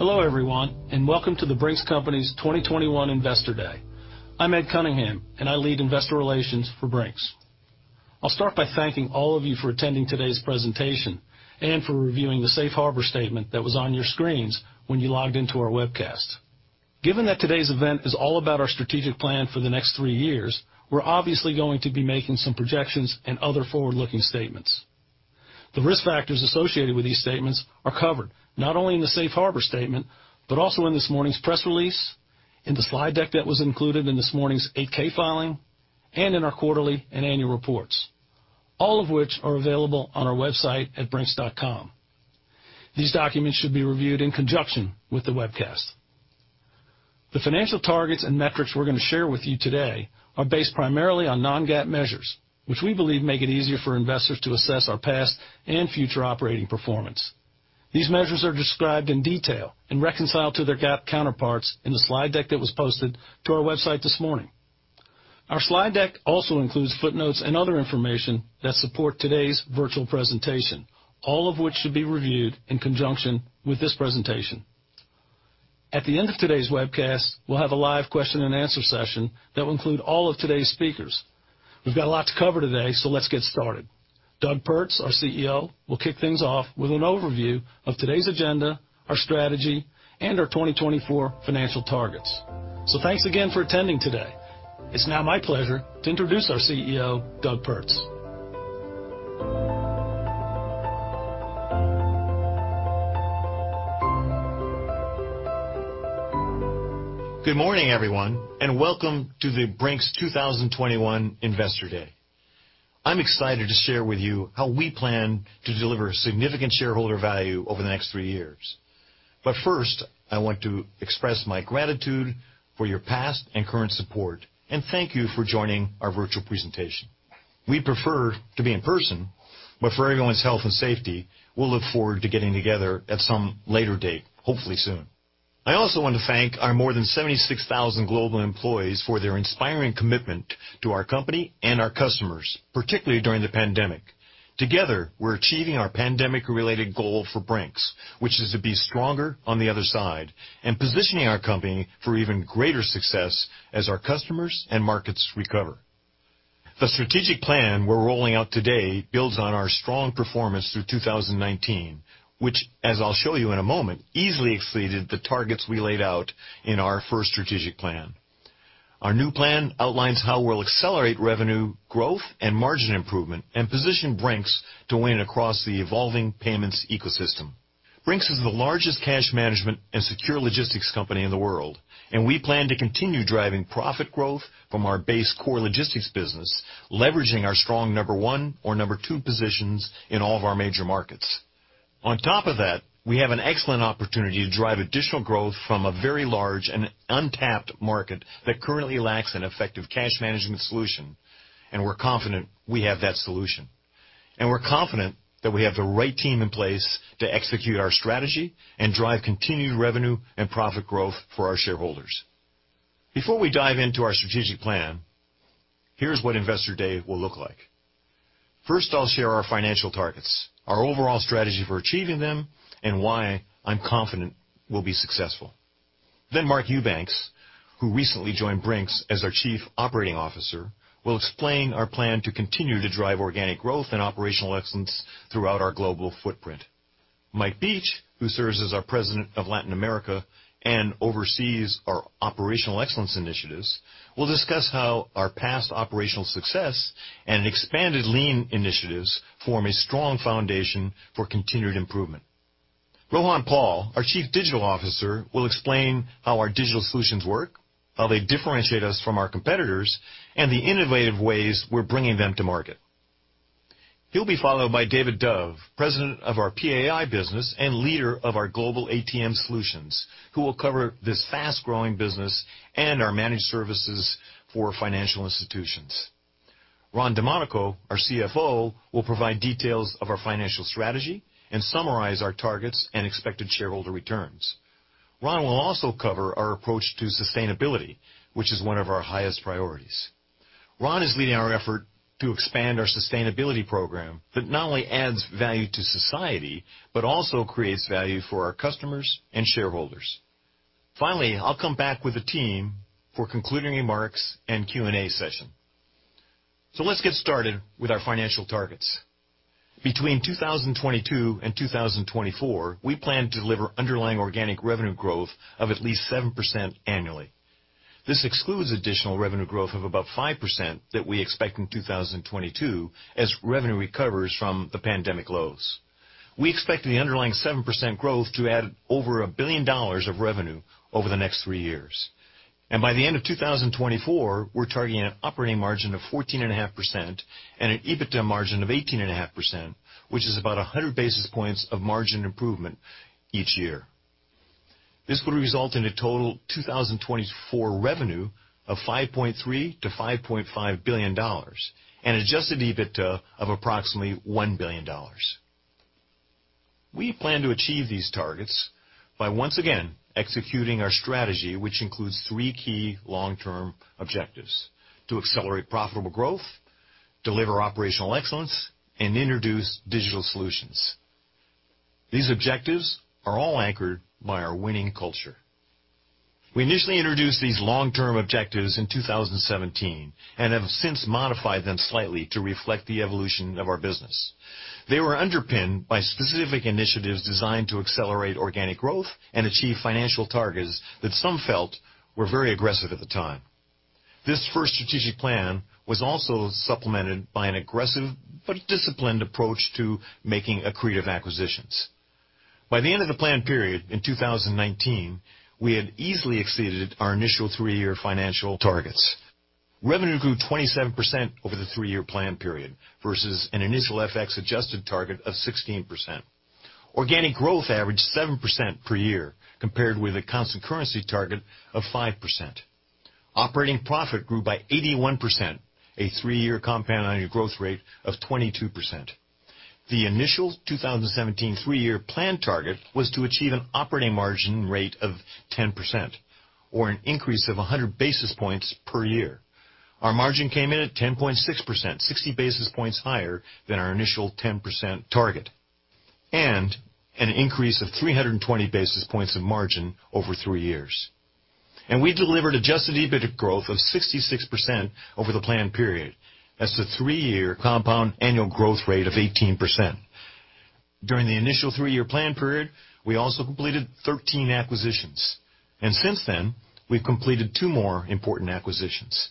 Hello everyone, and welcome to The Brink's Company's 2021 Investor Day. I'm Ed Cunningham, and I lead Investor Relations for Brink's. I'll start by thanking all of you for attending today's presentation and for reviewing the safe harbor statement that was on your screens when you logged into our webcast. Given that today's event is all about our Strategic Plan for the next three years, we're obviously going to be making some projections and other forward-looking statements. The risk factors associated with these statements are covered, not only in the safe harbor statement, but also in this morning's press release, in the slide deck that was included in this morning's 8-K filing, and in our quarterly and annual reports. All of which are available on our website at brinks.com. These documents should be reviewed in conjunction with the webcast. The financial targets and metrics we're gonna share with you today are based primarily on non-GAAP measures, which we believe make it easier for investors to assess our past and future operating performance. These measures are described in detail and reconciled to their GAAP counterparts in the slide deck that was posted to our website this morning. Our slide deck also includes footnotes and other information that support today's virtual presentation, all of which should be reviewed in conjunction with this presentation. At the end of today's webcast, we'll have a live question and answer session that will include all of today's speakers. We've got a lot to cover today, so let's get started. Doug Pertz, our CEO, will kick things off with an overview of today's agenda, our strategy, and our 2024 financial targets. Thanks again for attending today. It's now my pleasure to introduce our CEO, Doug Pertz. Good morning everyone, and welcome to the Brink's 2021 Investor Day. I'm excited to share with you how we plan to deliver significant shareholder value over the next three years. First, I want to express my gratitude for your past and current support and thank you for joining our virtual presentation. We prefer to be in person, but for everyone's health and safety, we'll look forward to getting together at some later date, hopefully soon. I also want to thank our more than 76,000 global employees for their inspiring commitment to our company and our customers, particularly during the pandemic. Together, we're achieving our pandemic-related goal for Brink's, which is to be stronger on the other side, and positioning our company for even greater success as our customers and markets recover. The Strategic Plan we're rolling out today builds on our strong performance through 2019, which, as I'll show you in a moment, easily exceeded the targets we laid out in our first Strategic Plan. Our new plan outlines how we'll accelerate revenue growth and margin improvement and position Brink's to win across the evolving payments ecosystem. Brink's is the largest cash management and secure logistics company in the world, and we plan to continue driving profit growth from our base core logistics business, leveraging our strong number one or number two positions in all of our major markets. On top of that, we have an excellent opportunity to drive additional growth from a very large and untapped market that currently lacks an effective cash management solution, and we're confident we have that solution. We're confident that we have the right team in place to execute our strategy and drive continued revenue and profit growth for our shareholders. Before we dive into our Strategic Plan, here's what Investor Day will look like. First, I'll share our financial targets, our overall strategy for achieving them, and why I'm confident we'll be successful. Mark Eubanks, who recently joined Brink's as our Chief Operating Officer, will explain our plan to continue to drive organic growth and operational excellence throughout our global footprint. Mike Beech, who serves as our President of Latin America and oversees our operational excellence initiatives, will discuss how our past operational success and expanded lean initiatives form a strong foundation for continued improvement. Rohan Pal, our Chief Digital Officer, will explain how our digital solutions work, how they differentiate us from our competitors, and the innovative ways we're bringing them to market. He'll be followed by David Dove, President of our PAI Business and leader of our Global ATM Solutions, who will cover this fast-growing business and our managed services for financial institutions. Ron Domanico, our CFO, will provide details of our financial strategy and summarize our targets and expected shareholder returns. Ron will also cover our approach to sustainability, which is one of our highest priorities. Ron is leading our effort to expand our sustainability program that not only adds value to society, but also creates value for our customers and shareholders. Finally, I'll come back with the team for concluding remarks and Q&A session. Let's get started with our financial targets. Between 2022 and 2024, we plan to deliver underlying organic revenue growth of at least 7% annually. This excludes additional revenue growth of about 5% that we expect in 2022 as revenue recovers from the pandemic lows. We expect the underlying 7% growth to add over $1 billion of revenue over the next three years. By the end of 2024, we're targeting an operating margin of 14.5% and an EBITDA margin of 18.5%, which is about 100 basis points of margin improvement each year. This would result in a total 2024 revenue of $5.3 billion-$5.5 billion, and adjusted EBITDA of approximately $1 billion. We plan to achieve these targets by once again executing our strategy, which includes three key long-term objectives to accelerate profitable growth, deliver operational excellence, and introduce digital solutions. These objectives are all anchored by our winning culture. We initially introduced these long-term objectives in 2017, and have since modified them slightly to reflect the evolution of our business. They were underpinned by specific initiatives designed to accelerate organic growth and achieve financial targets that some felt were very aggressive at the time. This first Strategic Plan was also supplemented by an aggressive but disciplined approach to making accretive acquisitions. By the end of the plan period in 2019, we had easily exceeded our initial three-year financial targets. Revenue grew 27% over the three-year plan period versus an initial FX-adjusted target of 16%. Organic growth averaged 7% per year compared with a constant currency target of 5%. Operating profit grew by 81%, a three-year compound annual growth rate of 22%. The initial 2017 three-year plan target was to achieve an operating margin rate of 10% or an increase of 100 basis points per year. Our margin came in at 10.6%, 60 basis points higher than our initial 10% target, and an increase of 320 basis points of margin over three years. We delivered adjusted EBIT growth of 66% over the plan period. That's the three-year compound annual growth rate of 18%. During the initial three-year plan period, we also completed 13 acquisitions, and since then, we've completed two more important acquisitions.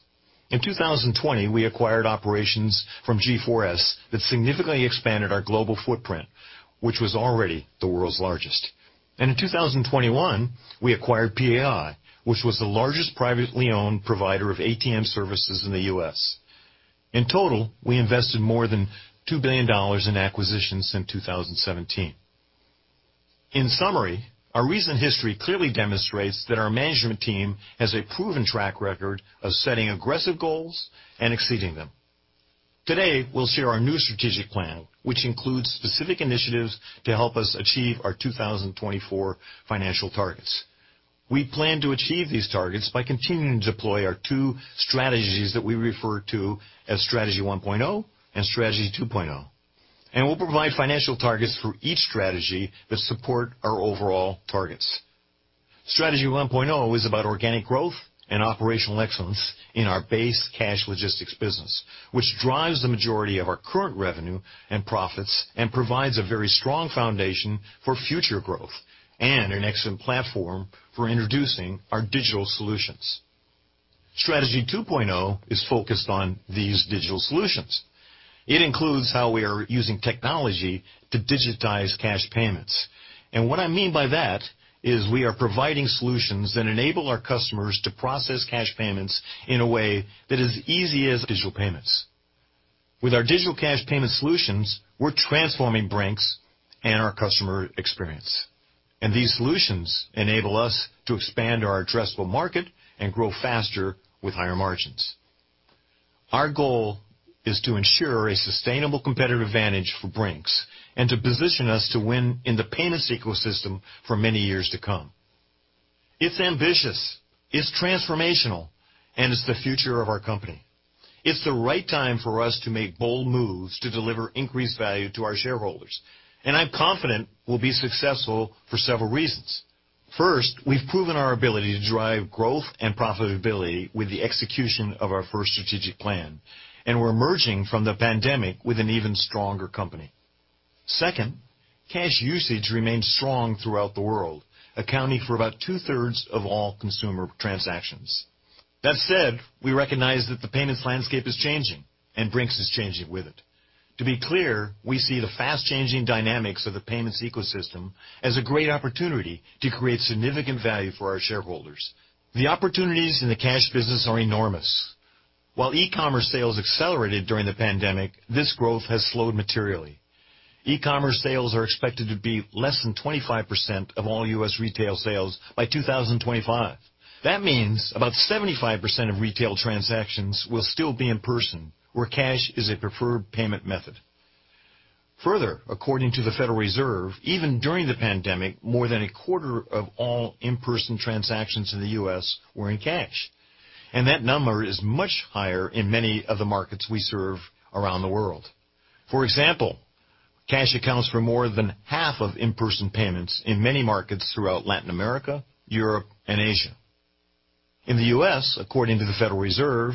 In 2020, we acquired operations from G4S that significantly expanded our global footprint, which was already the world's largest. In 2021, we acquired PAI, which was the largest privately owned provider of ATM Services in the U.S. In total, we invested more than $2 billion in acquisitions since 2017. In summary, our recent history clearly demonstrates that our management team has a proven track record of setting aggressive goals and exceeding them. Today, we'll share our new Strategic Plan, which includes specific initiatives to help us achieve our 2024 financial targets. We plan to achieve these targets by continuing to deploy our two strategies that we refer to as Strategy 1.0 and Strategy 2.0. We'll provide financial targets for each strategy that support our overall targets. Strategy 1.0 is about organic growth and operational excellence in our base cash logistics business, which drives the majority of our current revenue and profits and provides a very strong foundation for future growth and an excellent platform for introducing our digital solutions. Strategy 2.0 is focused on these digital solutions. It includes how we are using technology to digitize cash payments. What I mean by that is we are providing solutions that enable our customers to process cash payments in a way that is easy as digital payments. With our digital cash payment solutions, we're transforming Brink's and our customer experience. These solutions enable us to expand our addressable market and grow faster with higher margins. Our goal is to ensure a sustainable competitive advantage for Brink's and to position us to win in the payments ecosystem for many years to come. It's ambitious, it's transformational, and it's the future of our company. It's the right time for us to make bold moves to deliver increased value to our shareholders, and I'm confident we'll be successful for several reasons. First, we've proven our ability to drive growth and profitability with the execution of our first Strategic Plan, and we're emerging from the pandemic with an even stronger company. Second, cash usage remains strong throughout the world, accounting for about two-thirds of all consumer transactions. That said, we recognize that the payments landscape is changing and Brink's is changing with it. To be clear, we see the fast-changing dynamics of the payments ecosystem as a great opportunity to create significant value for our shareholders. The opportunities in the cash business are enormous. While e-commerce sales accelerated during the pandemic, this growth has slowed materially. E-commerce sales are expected to be less than 25% of all U.S. retail sales by 2025. That means about 75% of retail transactions will still be in person where cash is a preferred payment method. Further, according to the Federal Reserve, even during the pandemic, more than a quarter of all in-person transactions in the U.S. were in cash, and that number is much higher in many of the markets we serve around the world. For example, cash accounts for more than half of in-person payments in many markets throughout Latin America, Europe, and Asia. In the U.S., according to the Federal Reserve,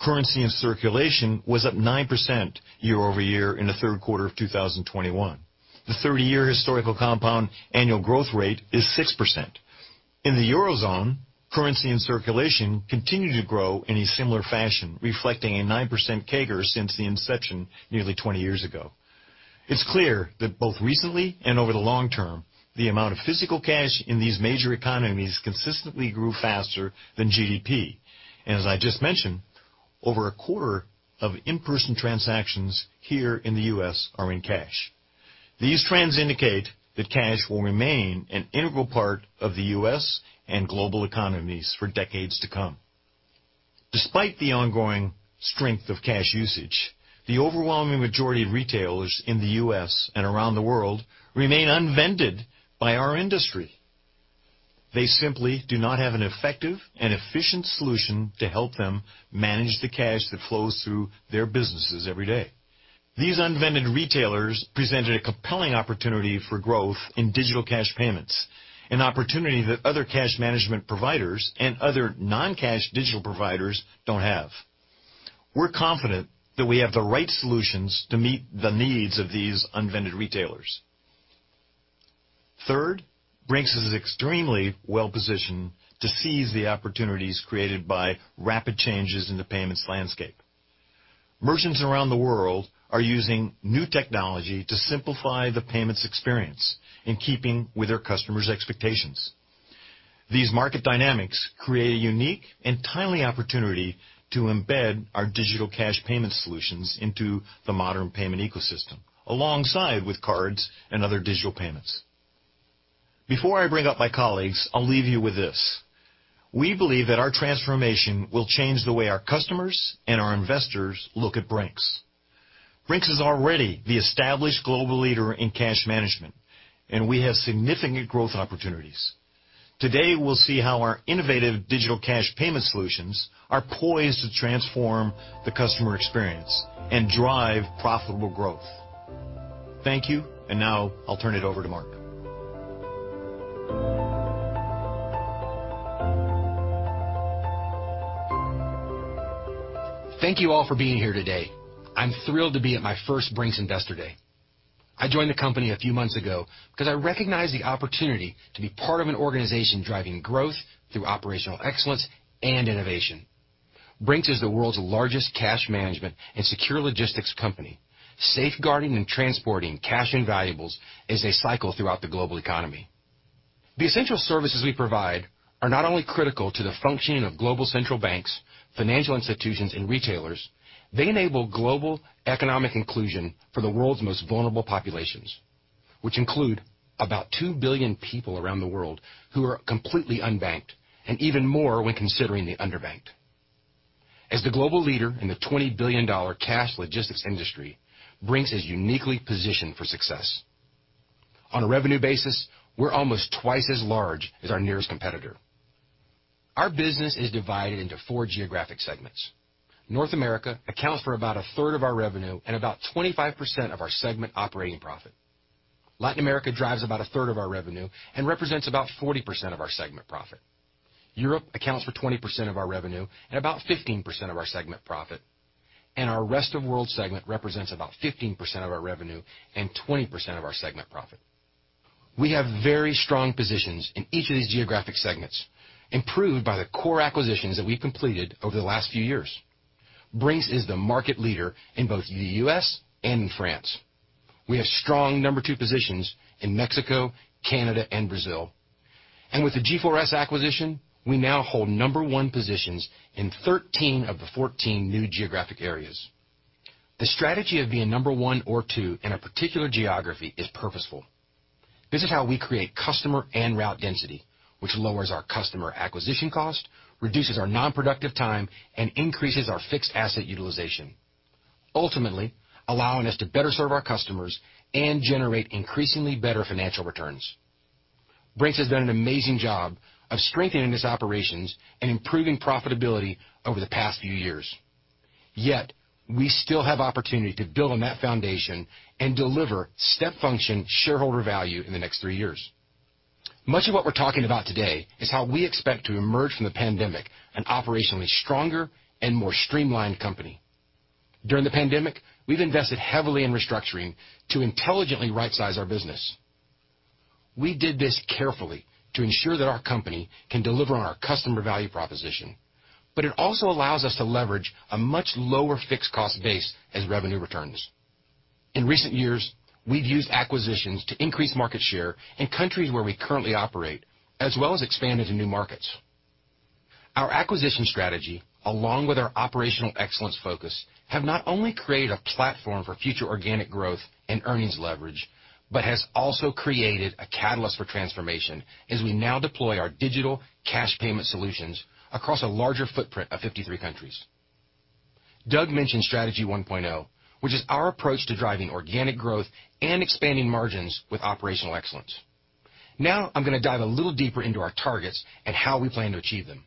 currency in circulation was up 9% year-over-year in the third quarter of 2021. The 30-year historical compound annual growth rate is 6%. In the Eurozone, currency in circulation continued to grow in a similar fashion, reflecting a 9% CAGR since the inception nearly 20 years ago. It's clear that both recently and over the long term, the amount of physical cash in these major economies consistently grew faster than GDP. As I just mentioned, over a quarter of in-person transactions here in the U.S. are in cash. These trends indicate that cash will remain an integral part of the U.S. and global economies for decades to come. Despite the ongoing strength of cash usage, the overwhelming majority of retailers in the U.S. and around the world remain unvended by our industry. They simply do not have an effective and efficient solution to help them manage the cash that flows through their businesses every day. These unvended retailers presented a compelling opportunity for growth in digital cash payments, an opportunity that other cash management providers and other non-cash digital providers don't have. We're confident that we have the right solutions to meet the needs of these unvended retailers. Third, Brink's is extremely well-positioned to seize the opportunities created by rapid changes in the payments landscape. Merchants around the world are using new technology to simplify the payments experience in keeping with their customers' expectations. These market dynamics create a unique and timely opportunity to embed our digital cash payment solutions into the modern payment ecosystem, alongside with cards and other digital payments. Before I bring up my colleagues, I'll leave you with this. We believe that our transformation will change the way our customers and our investors look at Brink's. Brink's is already the established global leader in cash management, and we have significant growth opportunities. Today, we'll see how our innovative digital cash payment solutions are poised to transform the customer experience and drive profitable growth. Thank you. Now I'll turn it over to Mark. Thank you all for being here today. I'm thrilled to be at my first Brink's Investor Day. I joined the company a few months ago because I recognized the opportunity to be part of an organization driving growth through operational excellence and innovation. Brink's is the world's largest cash management and secure logistics company, safeguarding and transporting cash and valuables as they cycle throughout the global economy. The essential services we provide are not only critical to the functioning of global central banks, financial institutions, and retailers, they enable global economic inclusion for the world's most vulnerable populations, which include about 2 billion people around the world who are completely unbanked, and even more when considering the underbanked. As the global leader in the $20 billion cash logistics industry, Brink's is uniquely positioned for success. On a revenue basis, we're almost twice as large as our nearest competitor. Our business is divided into four geographic segments. North America accounts for about 1/3 of our revenue and about 25% of our segment operating profit. Latin America drives about 1/3 of our revenue and represents about 40% of our segment profit. Europe accounts for 20% of our revenue and about 15% of our segment profit. Our Rest of World segment represents about 15% of our revenue and 20% of our segment profit. We have very strong positions in each of these geographic segments, improved by the core acquisitions that we've completed over the last few years. Brink's is the market leader in both the U.S. and in France. We have strong number two positions in Mexico, Canada, and Brazil. With the G4S acquisition, we now hold number one positions in 13 of the 14 new geographic areas. The strategy of being number one or two in a particular geography is purposeful. This is how we create customer and route density, which lowers our customer acquisition cost, reduces our non-productive time, and increases our fixed asset utilization, ultimately allowing us to better serve our customers and generate increasingly better financial returns. Brink's has done an amazing job of strengthening its operations and improving profitability over the past few years. Yet, we still have opportunity to build on that foundation and deliver step-function shareholder value in the next three years. Much of what we're talking about today is how we expect to emerge from the pandemic an operationally stronger and more streamlined company. During the pandemic, we've invested heavily in restructuring to intelligently right-size our business. We did this carefully to ensure that our company can deliver on our customer value proposition, but it also allows us to leverage a much lower fixed cost base as revenue returns. In recent years, we've used acquisitions to increase market share in countries where we currently operate, as well as expand into new markets. Our acquisition strategy, along with our operational excellence focus, have not only created a platform for future organic growth and earnings leverage, but has also created a catalyst for transformation as we now deploy our digital cash payment solutions across a larger footprint of 53 countries. Doug mentioned Strategy 1.0, which is our approach to driving organic growth and expanding margins with operational excellence. Now, I'm gonna dive a little deeper into our targets and how we plan to achieve them.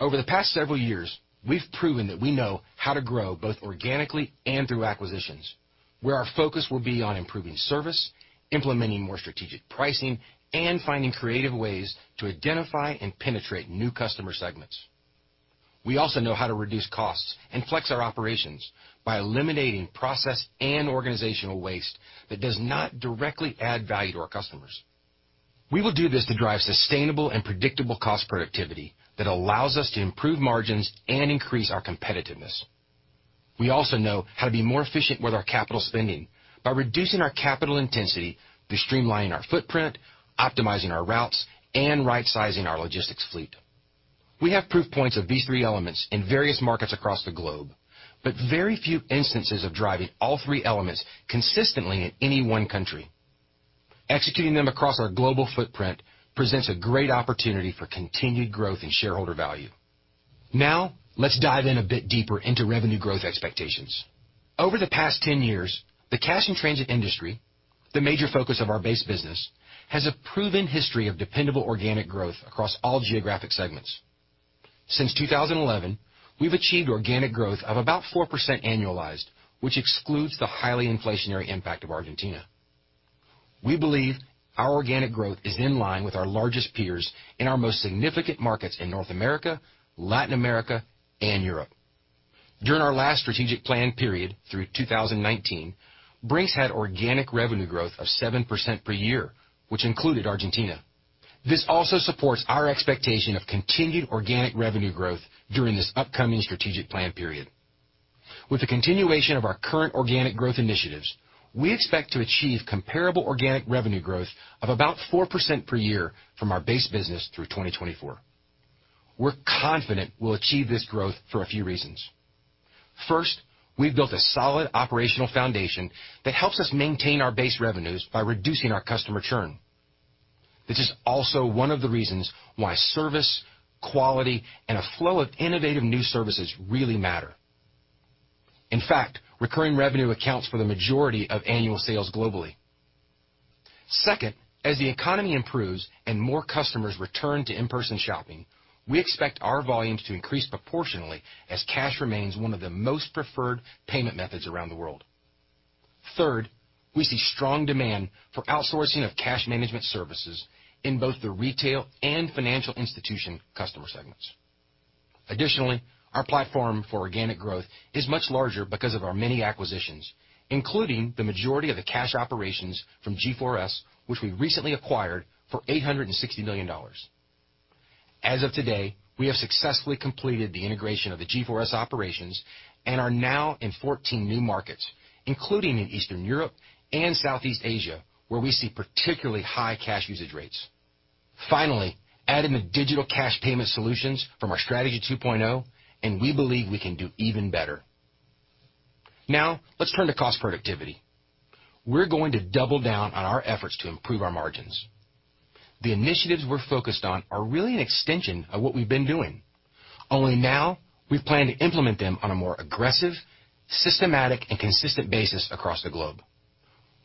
Over the past several years, we've proven that we know how to grow both organically and through acquisitions, where our focus will be on improving service, implementing more strategic pricing, and finding creative ways to identify and penetrate new customer segments. We also know how to reduce costs and flex our operations by eliminating process and organizational waste that does not directly add value to our customers. We will do this to drive sustainable and predictable cost productivity that allows us to improve margins and increase our competitiveness. We also know how to be more efficient with our capital spending by reducing our capital intensity through streamlining our footprint, optimizing our routes, and right-sizing our logistics fleet. We have proof points of these three elements in various markets across the globe, but very few instances of driving all three elements consistently in any one country. Executing them across our global footprint presents a great opportunity for continued growth in shareholder value. Now let's dive in a bit deeper into revenue growth expectations. Over the past 10 years, the cash-in-transit industry, the major focus of our base business, has a proven history of dependable organic growth across all geographic segments. Since 2011, we've achieved organic growth of about 4% annualized, which excludes the highly inflationary impact of Argentina. We believe our organic growth is in line with our largest peers in our most significant markets in North America, Latin America, and Europe. During our last Strategic Plan period through 2019, Brink's had organic revenue growth of 7% per year, which included Argentina. This also supports our expectation of continued organic revenue growth during this upcoming Strategic Plan period. With the continuation of our current organic growth initiatives, we expect to achieve comparable organic revenue growth of about 4% per year from our base business through 2024. We're confident we'll achieve this growth for a few reasons. First, we've built a solid operational foundation that helps us maintain our base revenues by reducing our customer churn. This is also one of the reasons why service, quality, and a flow of innovative new services really matter. In fact, recurring revenue accounts for the majority of annual sales globally. Second, as the economy improves and more customers return to in-person shopping, we expect our volumes to increase proportionally as cash remains one of the most preferred payment methods around the world. Third, we see strong demand for outsourcing of cash management services in both the retail and financial institution customer segments. Additionally, our platform for organic growth is much larger because of our many acquisitions, including the majority of the cash operations from G4S, which we recently acquired for $860 million. As of today, we have successfully completed the integration of the G4S operations and are now in 14 new markets, including in Eastern Europe and Southeast Asia, where we see particularly high cash usage rates. Finally, add in the digital cash payment solutions from our Strategy 2.0, and we believe we can do even better. Now let's turn to cost productivity. We're going to double down on our efforts to improve our margins. The initiatives we're focused on are really an extension of what we've been doing. Only now we plan to implement them on a more aggressive, systematic, and consistent basis across the globe.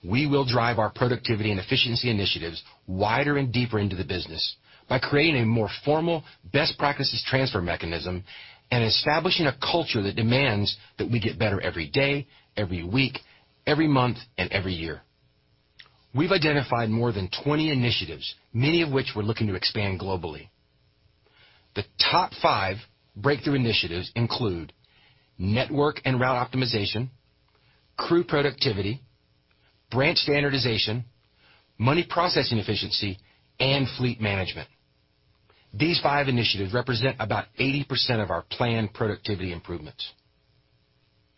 We will drive our productivity and efficiency initiatives wider and deeper into the business by creating a more formal best practices transfer mechanism and establishing a culture that demands that we get better every day, every week, every month, and every year. We've identified more than 20 initiatives, many of which we're looking to expand globally. The top five breakthrough initiatives include network and route optimization, crew productivity, branch standardization, money processing efficiency, and fleet management. These five initiatives represent about 80% of our planned productivity improvements.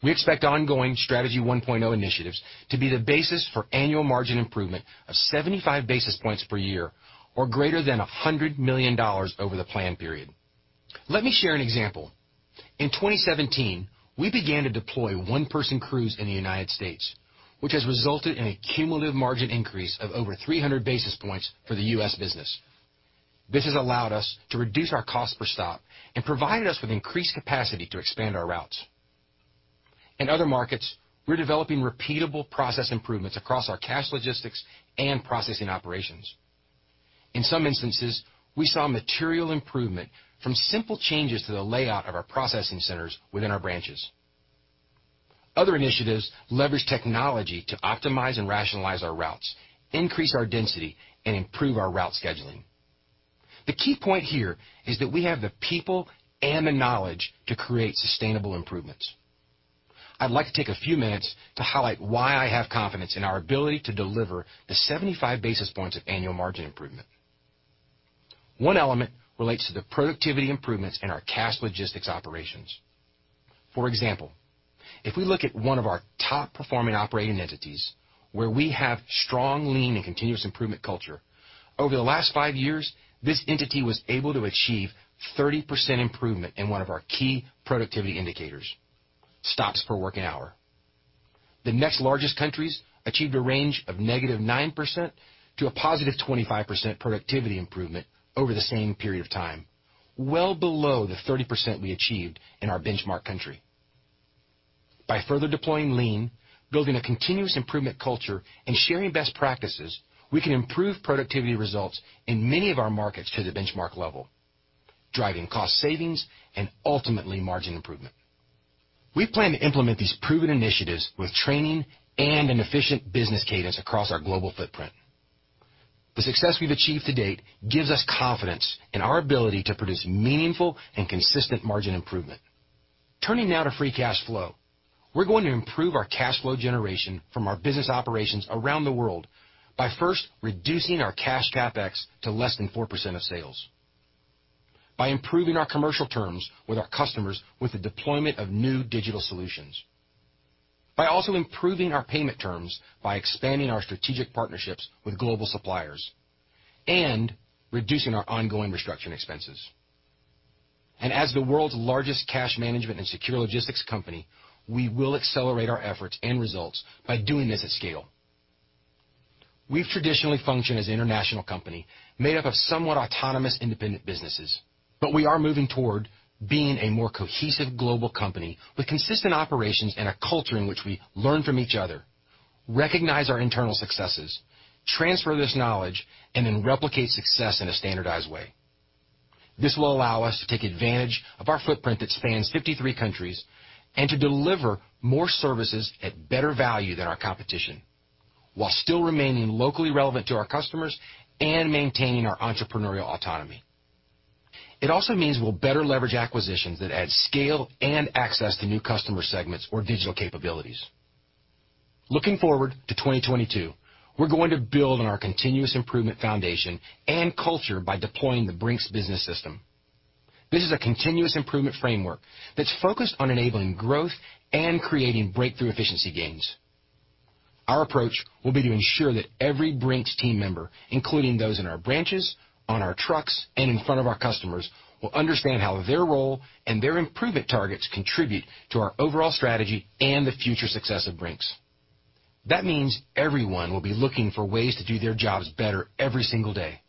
We expect ongoing Strategy 1.0 initiatives to be the basis for annual margin improvement of 75 basis points per year or greater than $100 million over the plan period. Let me share an example. In 2017, we began to deploy one-person crews in the United States, which has resulted in a cumulative margin increase of over 300 basis points for the U.S. business. This has allowed us to reduce our cost per stop and provided us with increased capacity to expand our routes. In other markets, we're developing repeatable process improvements across our cash logistics and processing operations. In some instances, we saw material improvement from simple changes to the layout of our processing centers within our branches. Other initiatives leverage technology to optimize and rationalize our routes, increase our density, and improve our route scheduling. The key point here is that we have the people and the knowledge to create sustainable improvements. I'd like to take a few minutes to highlight why I have confidence in our ability to deliver the 75 basis points of annual margin improvement. One element relates to the productivity improvements in our cash logistics operations. For example, if we look at one of our top-performing operating entities where we have strong lean and continuous improvement culture, over the last five years, this entity was able to achieve 30% improvement in one of our key productivity indicators, stops per working hour. The next largest countries achieved a range of -9% to a +25% productivity improvement over the same period of time, well below the 30% we achieved in our benchmark country. By further deploying lean, building a continuous improvement culture, and sharing best practices, we can improve productivity results in many of our markets to the benchmark level, driving cost savings and ultimately margin improvement. We plan to implement these proven initiatives with training and an efficient business cadence across our global footprint. The success we've achieved to date gives us confidence in our ability to produce meaningful and consistent margin improvement. Turning now to free cash flow. We're going to improve our cash flow generation from our business operations around the world by first reducing our cash CapEx to less than 4% of sales, by improving our commercial terms with our customers with the deployment of new digital solutions, by also improving our payment terms by expanding our strategic partnerships with global suppliers, and reducing our ongoing restructuring expenses. As the world's largest cash management and secure logistics company, we will accelerate our efforts and results by doing this at scale. We've traditionally functioned as an international company made up of somewhat autonomous, independent businesses, but we are moving toward being a more cohesive global company with consistent operations and a culture in which we learn from each other, recognize our internal successes, transfer this knowledge, and then replicate success in a standardized way. This will allow us to take advantage of our footprint that spans 53 countries, and to deliver more services at better value than our competition, while still remaining locally relevant to our customers and maintaining our entrepreneurial autonomy. It also means we'll better leverage acquisitions that add scale and access to new customer segments or digital capabilities. Looking forward to 2022, we're going to build on our continuous improvement foundation and culture by deploying the Brink's Business System. This is a continuous improvement framework that's focused on enabling growth and creating breakthrough efficiency gains. Our approach will be to ensure that every Brink's team member, including those in our branches, on our trucks, and in front of our customers, will understand how their role and their improvement targets contribute to our overall strategy and the future success of Brink's. That means everyone will be looking for ways to do their jobs better every single day.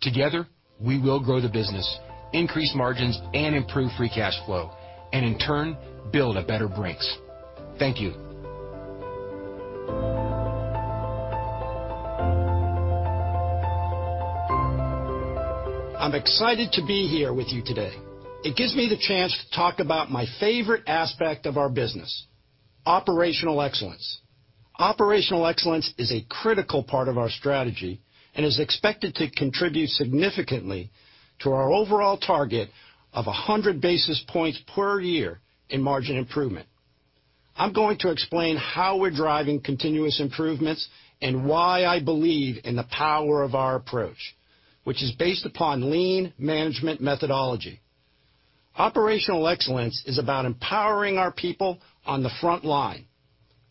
Together, we will grow the business, increase margins, and improve free cash flow, and in turn, build a better Brink's. Thank you. I'm excited to be here with you today. It gives me the chance to talk about my favorite aspect of our business, operational excellence. Operational excellence is a critical part of our strategy and is expected to contribute significantly to our overall target of 100 basis points per year in margin improvement. I'm going to explain how we're driving continuous improvements and why I believe in the power of our approach, which is based upon lean management methodology. Operational excellence is about empowering our people on the front line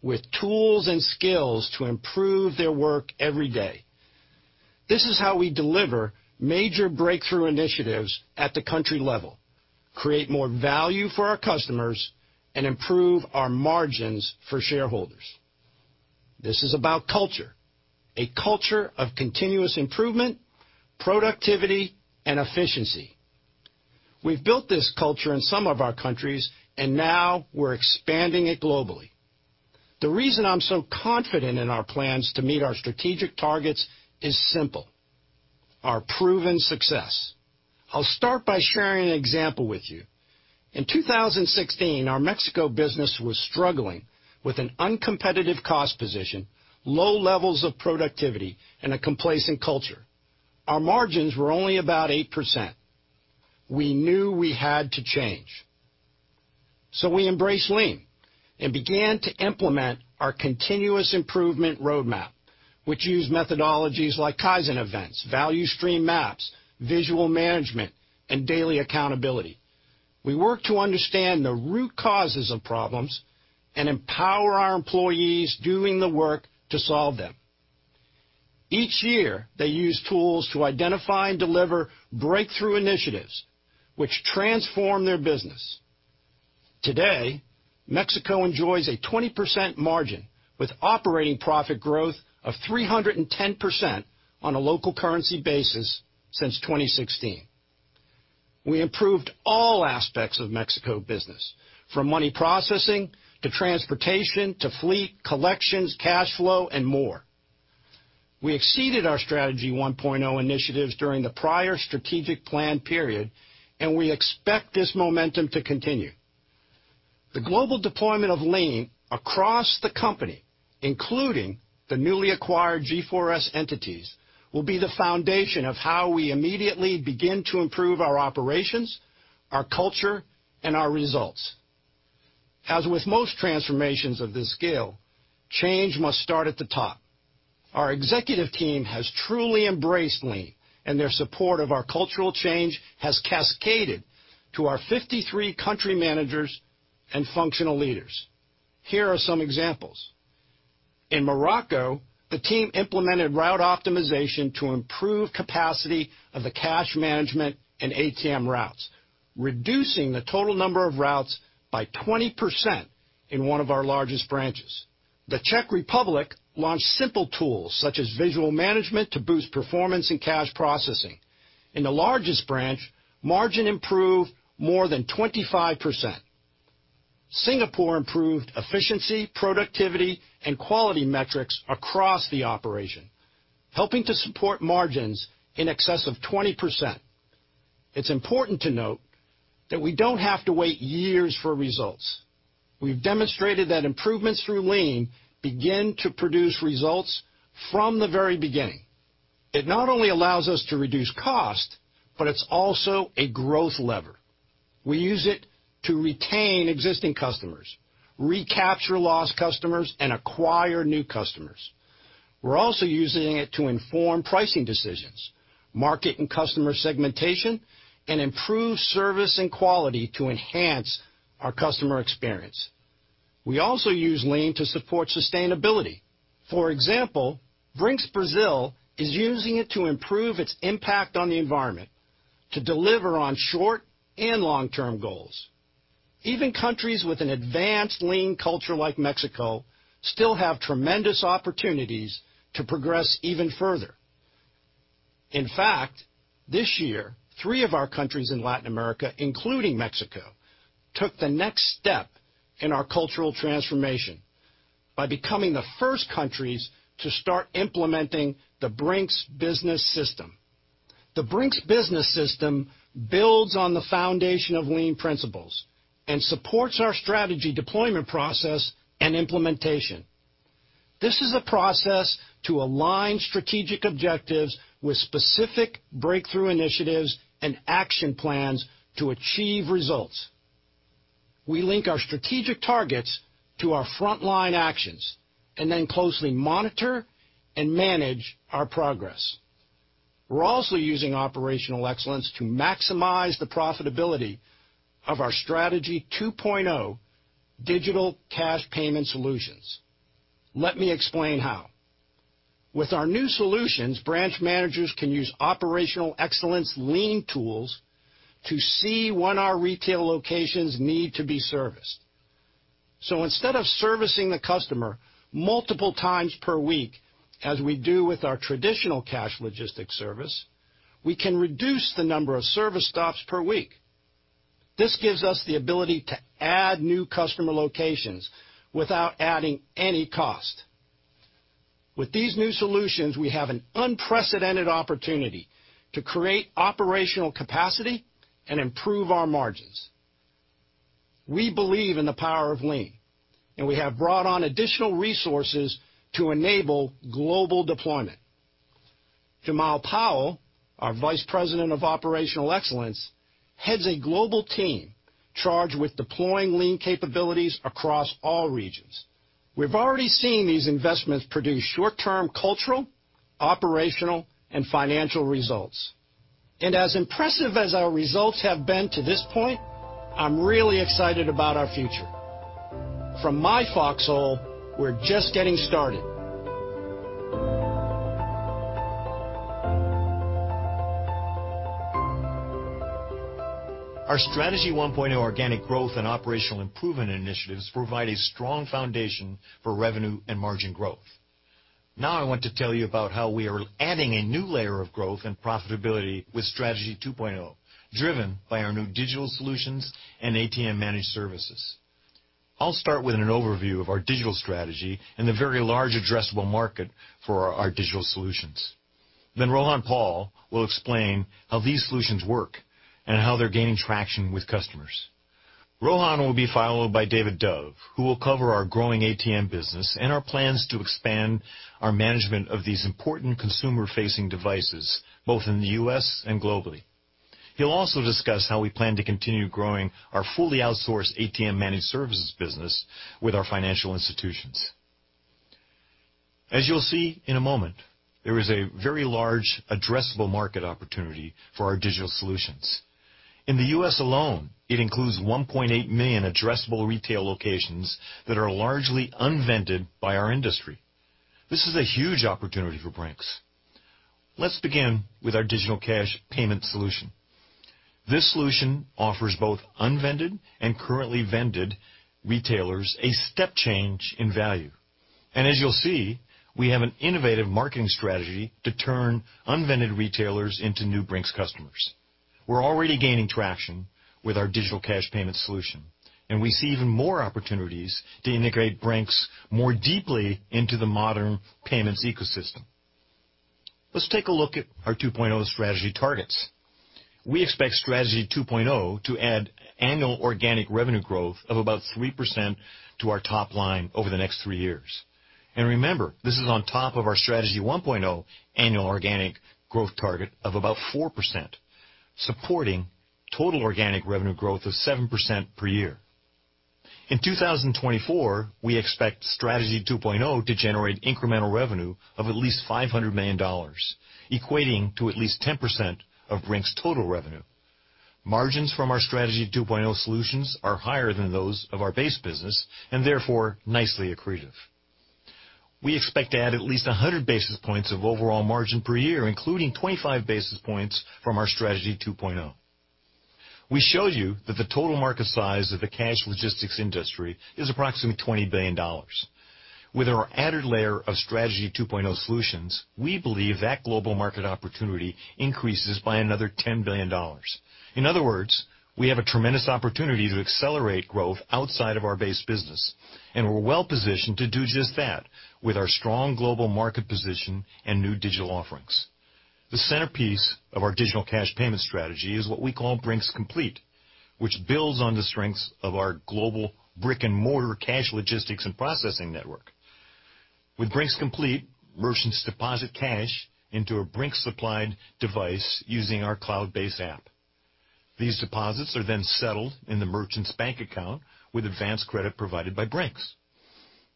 with tools and skills to improve their work every day. This is how we deliver major breakthrough initiatives at the country level, create more value for our customers, and improve our margins for shareholders. This is about culture, a culture of continuous improvement, productivity, and efficiency. We've built this culture in some of our countries, and now we're expanding it globally. The reason I'm so confident in our plans to meet our strategic targets is simple. Our proven success. I'll start by sharing an example with you. In 2016, our Mexico business was struggling with an uncompetitive cost position, low levels of productivity, and a complacent culture. Our margins were only about 8%. We knew we had to change, so we embraced lean and began to implement our continuous improvement roadmap, which used methodologies like Kaizen events, value stream maps, visual management, and daily accountability. We work to understand the root causes of problems and empower our employees doing the work to solve them. Each year, they use tools to identify and deliver breakthrough initiatives which transform their business. Today, Mexico enjoys a 20% margin with operating profit growth of 310% on a local currency basis since 2016. We improved all aspects of Mexico business, from money processing, to transportation, to fleet, collections, cash flow, and more. We exceeded our Strategy 1.0 initiatives during the prior Strategic Plan period, and we expect this momentum to continue. The global deployment of lean across the company, including the newly acquired G4S entities, will be the foundation of how we immediately begin to improve our operations, our culture, and our results. As with most transformations of this scale, change must start at the top. Our executive team has truly embraced lean, and their support of our cultural change has cascaded to our 53 country managers and functional leaders. Here are some examples. In Morocco, the team implemented route optimization to improve capacity of the cash management and ATM routes, reducing the total number of routes by 20% in one of our largest branches. The Czech Republic launched simple tools such as visual management to boost performance in cash processing. In the largest branch, margin improved more than 25%. Singapore improved efficiency, productivity, and quality metrics across the operation, helping to support margins in excess of 20%. It's important to note that we don't have to wait years for results. We've demonstrated that improvements through lean begin to produce results from the very beginning. It not only allows us to reduce cost, but it's also a growth lever. We use it to retain existing customers, recapture lost customers, and acquire new customers. We're also using it to inform pricing decisions, market and customer segmentation, and improve service and quality to enhance our customer experience. We also use lean to support sustainability. For example, Brink's Brazil is using it to improve its impact on the environment to deliver on short- and long-term goals. Even countries with an advanced lean culture like Mexico still have tremendous opportunities to progress even further. In fact, this year, three of our countries in Latin America, including Mexico, took the next step in our cultural transformation by becoming the first countries to start implementing the Brink's Business System. The Brink's Business System builds on the foundation of lean principles and supports our strategy, deployment process, and implementation. This is a process to align strategic objectives with specific breakthrough initiatives and action plans to achieve results. We link our strategic targets to our front-line actions and then closely monitor and manage our progress. We're also using operational excellence to maximize the profitability of our Strategy 2.0 digital cash payment solutions. Let me explain how. With our new solutions, branch managers can use operational excellence Lean tools to see when our retail locations need to be serviced. Instead of servicing the customer multiple times per week, as we do with our traditional cash logistics service, we can reduce the number of service stops per week. This gives us the ability to add new customer locations without adding any cost. With these new solutions, we have an unprecedented opportunity to create operational capacity and improve our margins. We believe in the power of Lean, and we have brought on additional resources to enable global deployment. Jamal Powell, our Vice President of Operational Excellence, heads a global team charged with deploying Lean capabilities across all regions. We've already seen these investments produce short-term cultural, operational, and financial results. As impressive as our results have been to this point, I'm really excited about our future. From my fox hole, we're just getting started. Our Strategy 1.0 organic growth and operational improvement initiatives provide a strong foundation for revenue and margin growth. Now I want to tell you about how we are adding a new layer of growth and profitability with Strategy 2.0, driven by our new digital solutions and ATM Managed Services. I'll start with an overview of our digital strategy and the very large addressable market for our digital solutions. Then Rohan Pal will explain how these solutions work and how they're gaining traction with customers. Rohan will be followed by David Dove, who will cover our growing ATM business and our plans to expand our management of these important consumer-facing devices, both in the U.S. and globally. He'll also discuss how we plan to continue growing our fully outsourced ATM managed services business with our financial institutions. As you'll see in a moment, there is a very large addressable market opportunity for our digital solutions. In the U.S. alone, it includes 1.8 million addressable retail locations that are largely unvended by our industry. This is a huge opportunity for Brink's. Let's begin with our digital cash payment solution. This solution offers both unvended and currently vended retailers a step change in value. As you'll see, we have an innovative marketing strategy to turn unvended retailers into new Brink's customers. We're already gaining traction with our digital cash payment solution, and we see even more opportunities to integrate Brink's more deeply into the modern payments ecosystem. Let's take a look at our Strategy 2.0 strategy targets. We expect Strategy 2.0 to add annual organic revenue growth of about 3% to our top line over the next three years. Remember, this is on top of our Strategy 1.0 annual organic growth target of about 4%, supporting total organic revenue growth of 7% per year. In 2024, we expect Strategy 2.0 to generate incremental revenue of at least $500 million, equating to at least 10% of Brink's total revenue. Margins from our Strategy 2.0 solutions are higher than those of our base business and therefore nicely accretive. We expect to add at least 100 basis points of overall margin per year, including 25 basis points from our Strategy 2.0. We showed you that the total market size of the cash logistics industry is approximately $20 billion. With our added layer of Strategy 2.0 solutions, we believe that global market opportunity increases by another $10 billion. In other words, we have a tremendous opportunity to accelerate growth outside of our base business, and we're well-positioned to do just that with our strong global market position and new digital offerings. The centerpiece of our digital cash payment strategy is what we call Brink's Complete, which builds on the strengths of our global brick-and-mortar cash logistics and processing network. With Brink's Complete, merchants deposit cash into a Brink's-supplied device using our cloud-based app. These deposits are then settled in the merchant's bank account with advanced credit provided by Brink's.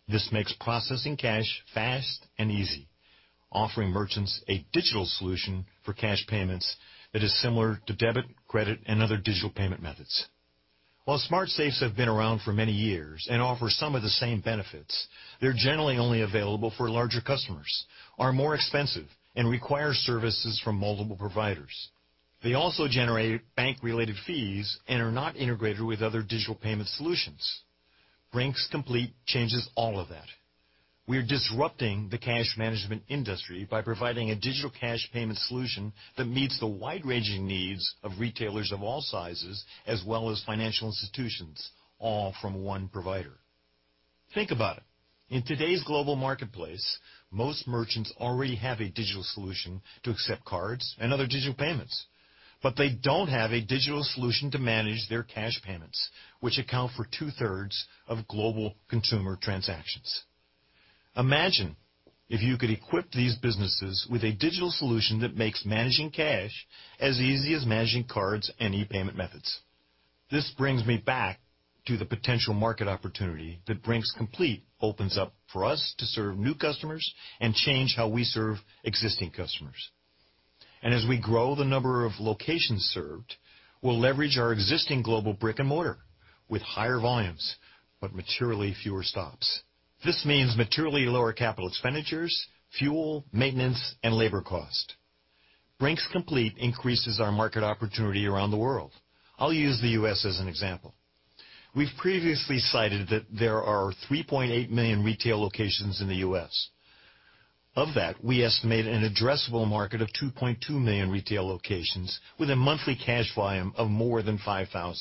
This makes processing cash fast and easy, offering merchants a digital solution for cash payments that is similar to debit, credit, and other digital payment methods. While smart safes have been around for many years and offer some of the same benefits, they're generally only available for larger customers, are more expensive, and require services from multiple providers. They also generate bank-related fees and are not integrated with other digital payment solutions. Brink's Complete changes all of that. We're disrupting the cash management industry by providing a digital cash payment solution that meets the wide-ranging needs of retailers of all sizes as well as financial institutions, all from one provider. Think about it. In today's global marketplace, most merchants already have a digital solution to accept cards and other digital payments, but they don't have a digital solution to manage their cash payments, which account for two-thirds of global consumer transactions. Imagine if you could equip these businesses with a digital solution that makes managing cash as easy as managing cards and e-payment methods. This brings me back to the potential market opportunity that Brink's Complete opens up for us to serve new customers and change how we serve existing customers. As we grow the number of locations served, we'll leverage our existing global brick-and-mortar with higher volumes, but materially fewer stops. This means materially lower capital expenditures, fuel, maintenance, and labor cost. Brink's Complete increases our market opportunity around the world. I'll use the U.S. as an example. We've previously cited that there are 3.8 million retail locations in the U.S. Of that, we estimate an addressable market of 2.2 million retail locations with a monthly cash volume of more than $5,000.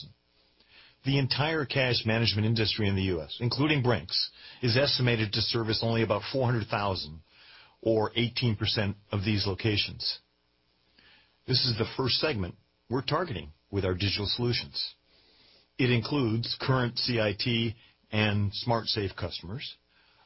The entire cash management industry in the U.S., including Brink's, is estimated to service only about 400,000 or 18% of these locations. This is the first segment we're targeting with our digital solutions. It includes current CIT and smart safe customers.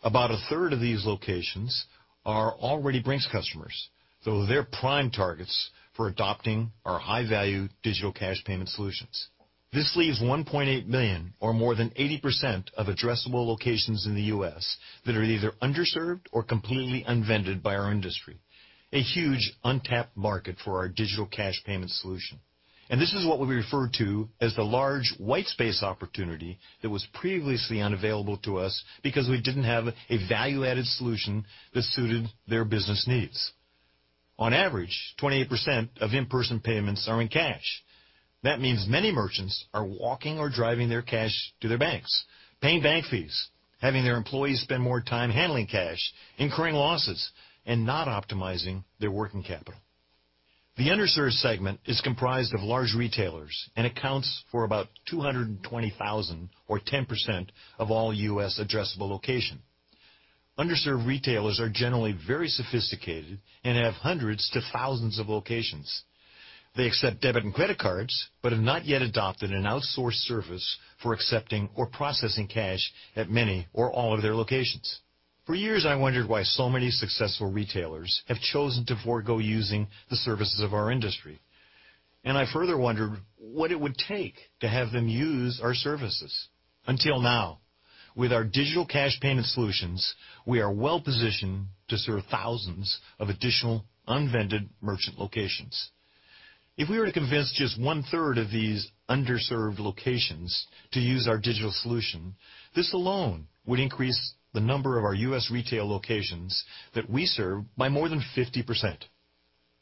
About a third of these locations are already Brink's customers, so they're prime targets for adopting our high-value digital cash payment solutions. This leaves 1.8 million or more than 80% of addressable locations in the U.S. that are either underserved or completely unserved by our industry, a huge untapped market for our digital cash payment solution. This is what we refer to as the large whitespace opportunity that was previously unavailable to us because we didn't have a value-added solution that suited their business needs. On average, 28% of in-person payments are in cash. That means many merchants are walking or driving their cash to their banks, paying bank fees, having their employees spend more time handling cash, incurring losses, and not optimizing their working capital. The underserved segment is comprised of large retailers and accounts for about 220,000 or 10% of all U.S. addressable locations. Underserved retailers are generally very sophisticated and have hundreds to thousands of locations. They accept debit and credit cards, but have not yet adopted an outsourced service for accepting or processing cash at many or all of their locations. For years, I wondered why so many successful retailers have chosen to forgo using the services of our industry, and I further wondered what it would take to have them use our services. Until now. With our digital cash payment solutions, we are well-positioned to serve thousands of additional unvended merchant locations. If we were to convince just one-third of these underserved locations to use our digital solution, this alone would increase the number of our U.S. retail locations that we serve by more than 50%.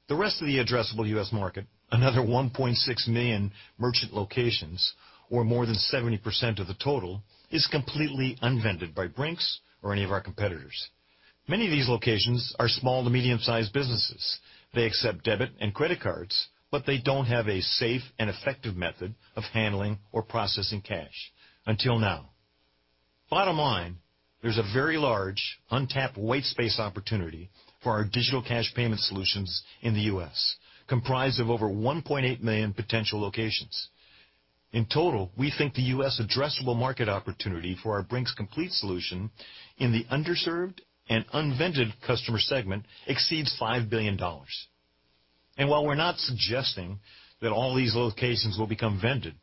The rest of the addressable U.S. market, another 1.6 million merchant locations, or more than 70% of the total, is completely unvended by Brink's or any of our competitors. Many of these locations are small to medium-sized businesses. They accept debit and credit cards, but they don't have a safe and effective method of handling or processing cash, until now. Bottom line, there's a very large untapped whitespace opportunity for our digital cash payment solutions in the U.S., comprised of over 1.8 million potential locations. In total, we think the U.S. addressable market opportunity for our Brink's Complete solution in the underserved and unvended customer segment exceeds $5 billion. While we're not suggesting that all these locations will become vended,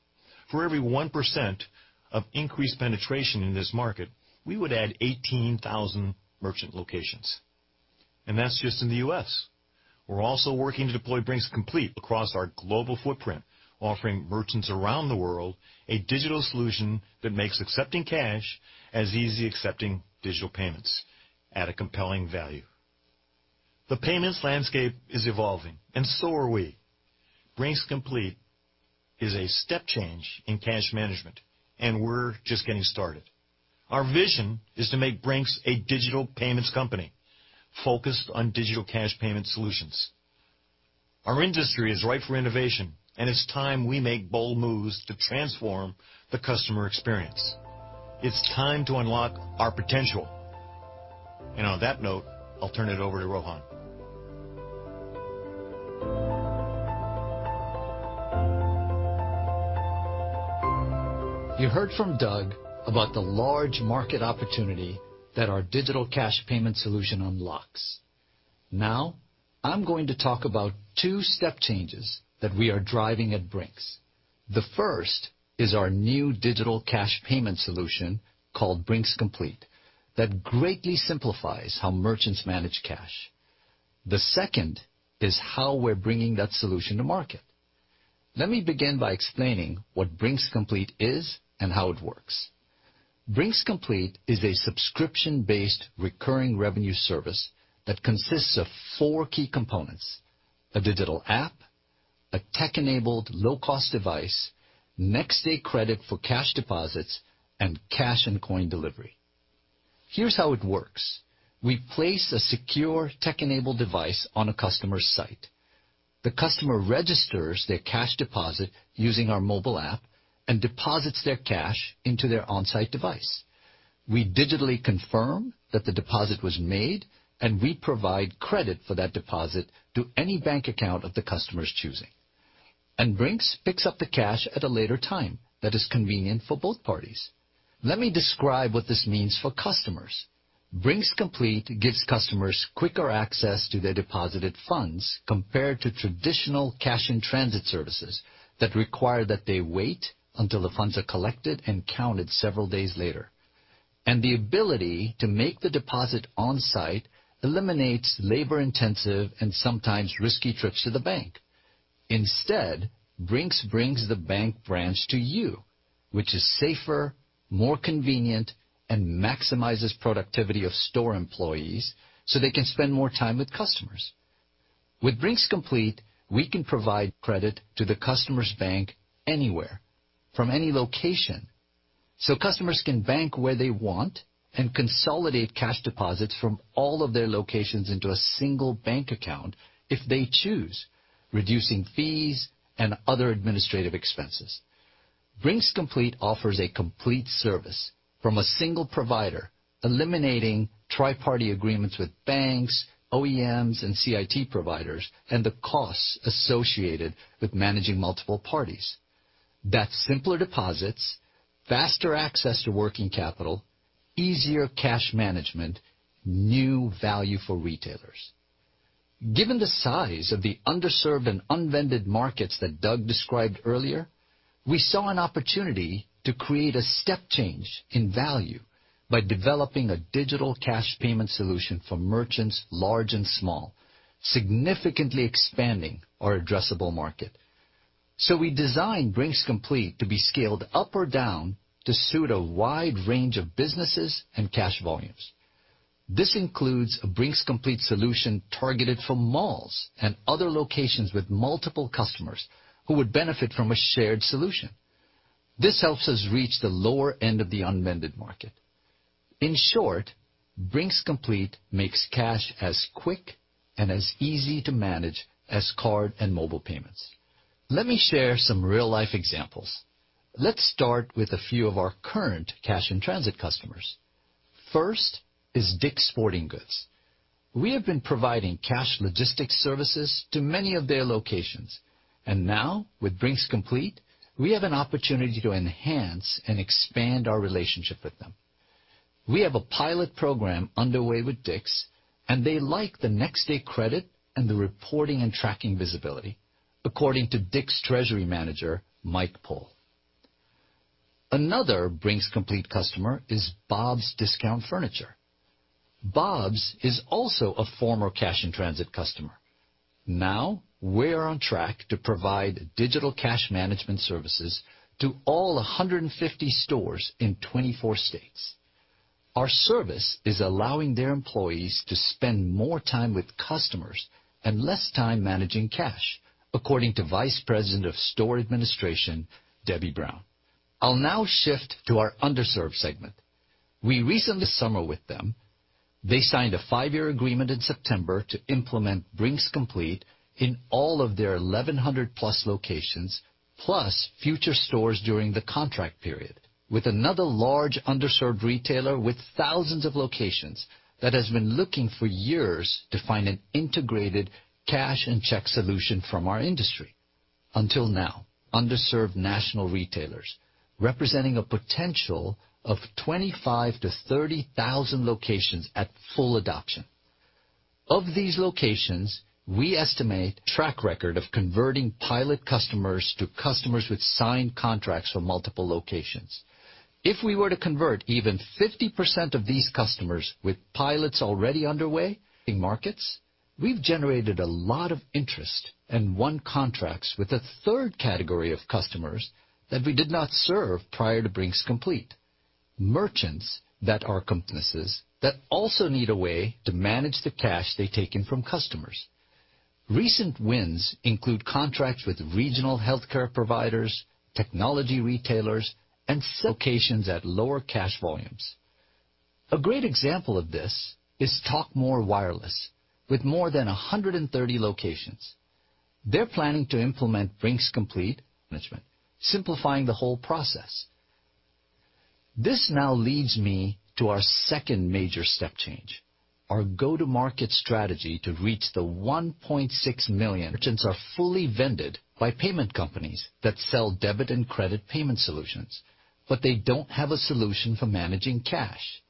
for every 1% of increased penetration in this market, we would add 18,000 merchant locations. That's just in the U.S. We're also working to deploy Brink's Complete across our global footprint, offering merchants around the world a digital solution that makes accepting cash as easy as accepting digital payments at a compelling value. The payments landscape is evolving, and so are we. Brink's Complete is a step change in cash management, and we're just getting started. Our vision is to make Brink's a digital payments company focused on digital cash payment solutions. Our industry is ripe for innovation, and it's time we make bold moves to transform the customer experience. It's time to unlock our potential. On that note, I'll turn it over to Rohan. You heard from Doug about the large market opportunity that our digital cash payment solution unlocks. Now I'm going to talk about two step changes that we are driving at Brink's. The first is our new digital cash payment solution called Brink's Complete that greatly simplifies how merchants manage cash. The second is how we're bringing that solution to market. Let me begin by explaining what Brink's Complete is and how it works. Brink's Complete is a subscription-based recurring revenue service that consists of four key components, a digital app, a tech-enabled low-cost device, next-day credit for cash deposits, and cash and coin delivery. Here's how it works. We place a secure tech-enabled device on a customer site. The customer registers their cash deposit using our mobile app and deposits their cash into their on-site device. We digitally confirm that the deposit was made, and we provide credit for that deposit to any bank account of the customer's choosing. Brink's picks up the cash at a later time that is convenient for both parties. Let me describe what this means for customers. Brink's Complete gives customers quicker access to their deposited funds compared to traditional cash-in-transit services that require that they wait until the funds are collected and counted several days later. The ability to make the deposit on-site eliminates labor-intensive and sometimes risky trips to the bank. Instead, Brink's brings the bank branch to you, which is safer, more convenient, and maximizes productivity of store employees so they can spend more time with customers. With Brink's Complete, we can provide credit to the customer's bank anywhere from any location, so customers can bank where they want and consolidate cash deposits from all of their locations into a single bank account if they choose, reducing fees and other administrative expenses. Brink's Complete offers a complete service from a single provider, eliminating tri-party agreements with banks, OEMs, and CIT providers, and the costs associated with managing multiple parties. That's simpler deposits, faster access to working capital, easier cash management, new value for retailers. Given the size of the underserved and unvended markets that Doug described earlier, we saw an opportunity to create a step change in value by developing a digital cash payment solution for merchants, large and small, significantly expanding our addressable market. We designed Brink's Complete to be scaled up or down to suit a wide range of businesses and cash volumes. This includes a Brink's Complete solution targeted for malls and other locations with multiple customers who would benefit from a shared solution. This helps us reach the lower end of the unvended market. In short, Brink's Complete makes cash as quick and as easy to manage as card and mobile payments. Let me share some real-life examples. Let's start with a few of our current cash-in-transit customers. First is DICK's Sporting Goods. We have been providing cash logistics services to many of their locations. Now with Brink's Complete, we have an opportunity to enhance and expand our relationship with them. We have a pilot program underway with DICK's, and they like the next day credit and the reporting and tracking visibility, according to DICK's Treasury Manager, Mike Pohl. Another Brink's Complete customer is Bob's Discount Furniture. Bob's is also a former cash-in-transit customer. Now we're on track to provide digital cash management services to all 150 stores in 24 states. Our service is allowing their employees to spend more time with customers and less time managing cash, according to Vice President of Store Administration, Debbie Brown. I'll now shift to our underserved segment. They signed a five-year agreement in September to implement Brink's Complete in all of their 1,100+ locations, plus future stores during the contract period. With another large underserved retailer with thousands of locations that has been looking for years to find an integrated cash and check solution from our industry. Until now, underserved national retailers, representing a potential of 25,000 to 30,000 locations at full adoption. Of these locations, we have an established track record of converting pilot customers to customers with signed contracts for multiple locations. If we were to convert even 50% of these customers with pilots already underway in markets, we've generated a lot of interest and won contracts with a third category of customers that we did not serve prior to Brink's Complete. Merchants that are businesses that also need a way to manage the cash they take in from customers. Recent wins include contracts with regional healthcare providers, technology retailers, and locations at lower cash volumes. A great example of this is Talk More Wireless with more than 130 locations. They're planning to implement Brink's Complete management, simplifying the whole process. This now leads me to our second major step change, our go-to-market strategy to reach the 1.6 million. Merchants are fully vended by payment companies that sell debit and credit payment solutions, but they don't have a solution for managing cash.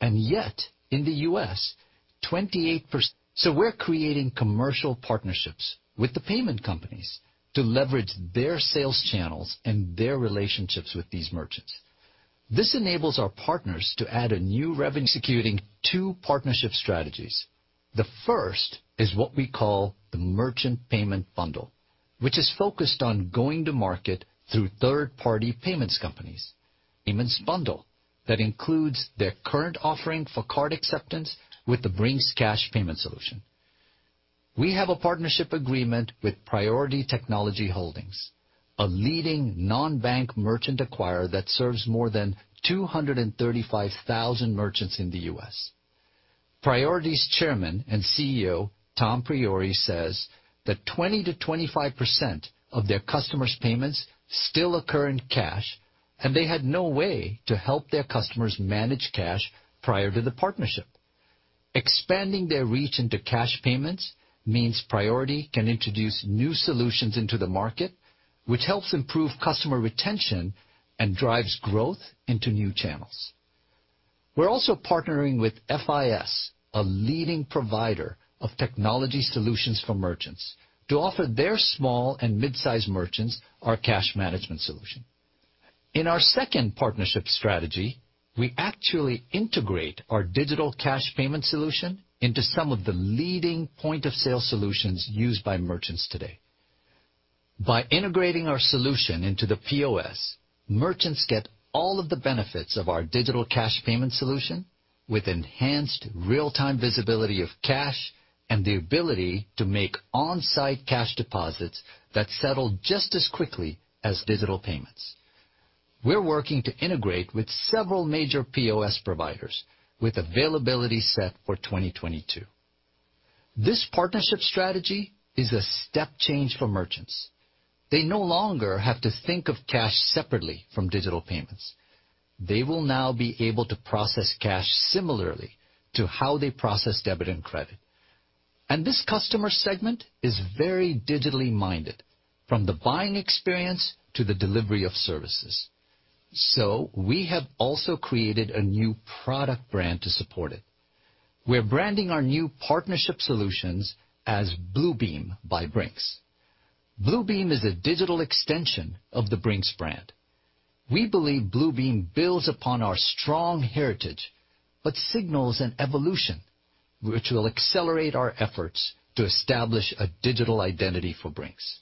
Yet, in the U.S., 28%, so we're creating commercial partnerships with the payment companies to leverage their sales channels and their relationships with these merchants. This enables our partners to add a new revenue, executing two partnership strategies. The first is what we call the merchant payment bundle, which is focused on going to market through third-party payment companies, payment bundle that includes their current offering for card acceptance with the Brink's Cash Payment Solution. We have a partnership agreement with Priority Technology Holdings, a leading non-bank merchant acquirer that serves more than 235,000 merchants in the U.S. Priority's Chairman and CEO, Tom Priore, says that 20%-25% of their customers' payments still occur in cash, and they had no way to help their customers manage cash prior to the partnership. Expanding their reach into cash payments means Priority can introduce new solutions into the market, which helps improve customer retention and drives growth into new channels. We're also partnering with FIS, a leading provider of technology solutions for merchants, to offer their small and mid-size merchants our cash management solution. In our second partnership strategy, we actually integrate our digital cash payment solution into some of the leading point-of-sale solutions used by merchants today. By integrating our solution into the POS, merchants get all of the benefits of our digital cash payment solution with enhanced real-time visibility of cash and the ability to make on-site cash deposits that settle just as quickly as digital payments. We're working to integrate with several major POS providers with availability set for 2022. This partnership strategy is a step change for merchants. They no longer have to think of cash separately from digital payments. They will now be able to process cash similarly to how they process debit and credit. This customer segment is very digitally-minded, from the buying experience to the delivery of services. We have also created a new product brand to support it. We're branding our new partnership solutions as BLUbeem by Brink's. BLUbeem is a digital extension of the Brink's brand. We believe BLUbeem builds upon our strong heritage, but signals an evolution which will accelerate our efforts to establish a digital identity for Brink's.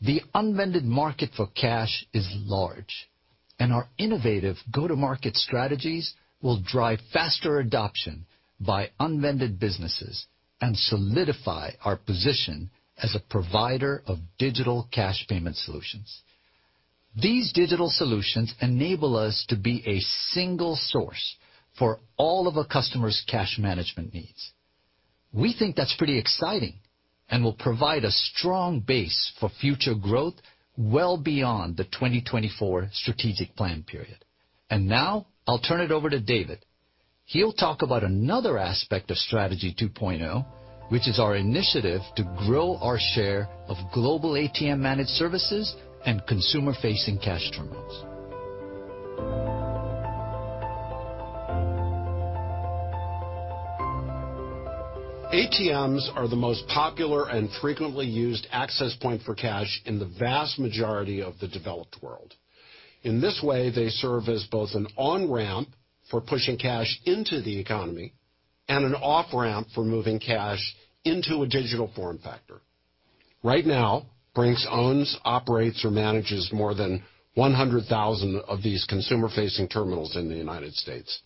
The unvended market for cash is large, and our innovative go-to-market strategies will drive faster adoption by unvended businesses and solidify our position as a provider of digital cash payment solutions. These digital solutions enable us to be a single source for all of a customer's cash management needs. We think that's pretty exciting and will provide a strong base for future growth well beyond the 2024 Strategic Plan period. Now I'll turn it over to David. He'll talk about another aspect of Strategy 2.0, which is our initiative to grow our share of global ATM Managed Services and consumer-facing cash terminals. ATMs are the most popular and frequently used access point for cash in the vast majority of the developed world. In this way, they serve as both an on-ramp for pushing cash into the economy and an off-ramp for moving cash into a digital form factor. Right now, Brink's owns, operates, or manages more than 100,000 of these consumer-facing terminals in the United States,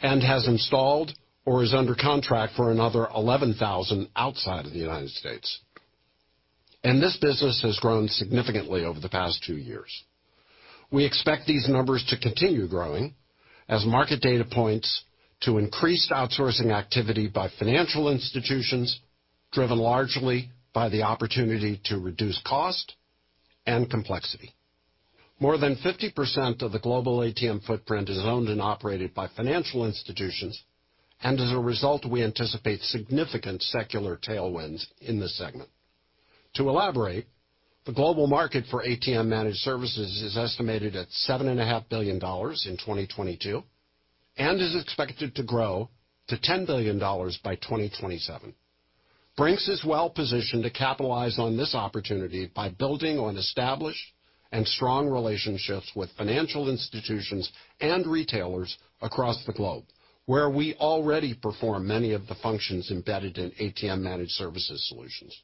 and has installed or is under contract for another 11,000 outside of the United States. This business has grown significantly over the past two years. We expect these numbers to continue growing as market data points to increased outsourcing activity by financial institutions, driven largely by the opportunity to reduce cost and complexity. More than 50% of the global ATM footprint is owned and operated by financial institutions, and as a result, we anticipate significant secular tailwinds in this segment. To elaborate, the global market for ATM managed services is estimated at $7.5 billion in 2022, and is expected to grow to $10 billion by 2027. Brink's is well-positioned to capitalize on this opportunity by building on established and strong relationships with financial institutions and retailers across the globe, where we already perform many of the functions embedded in ATM managed services solutions.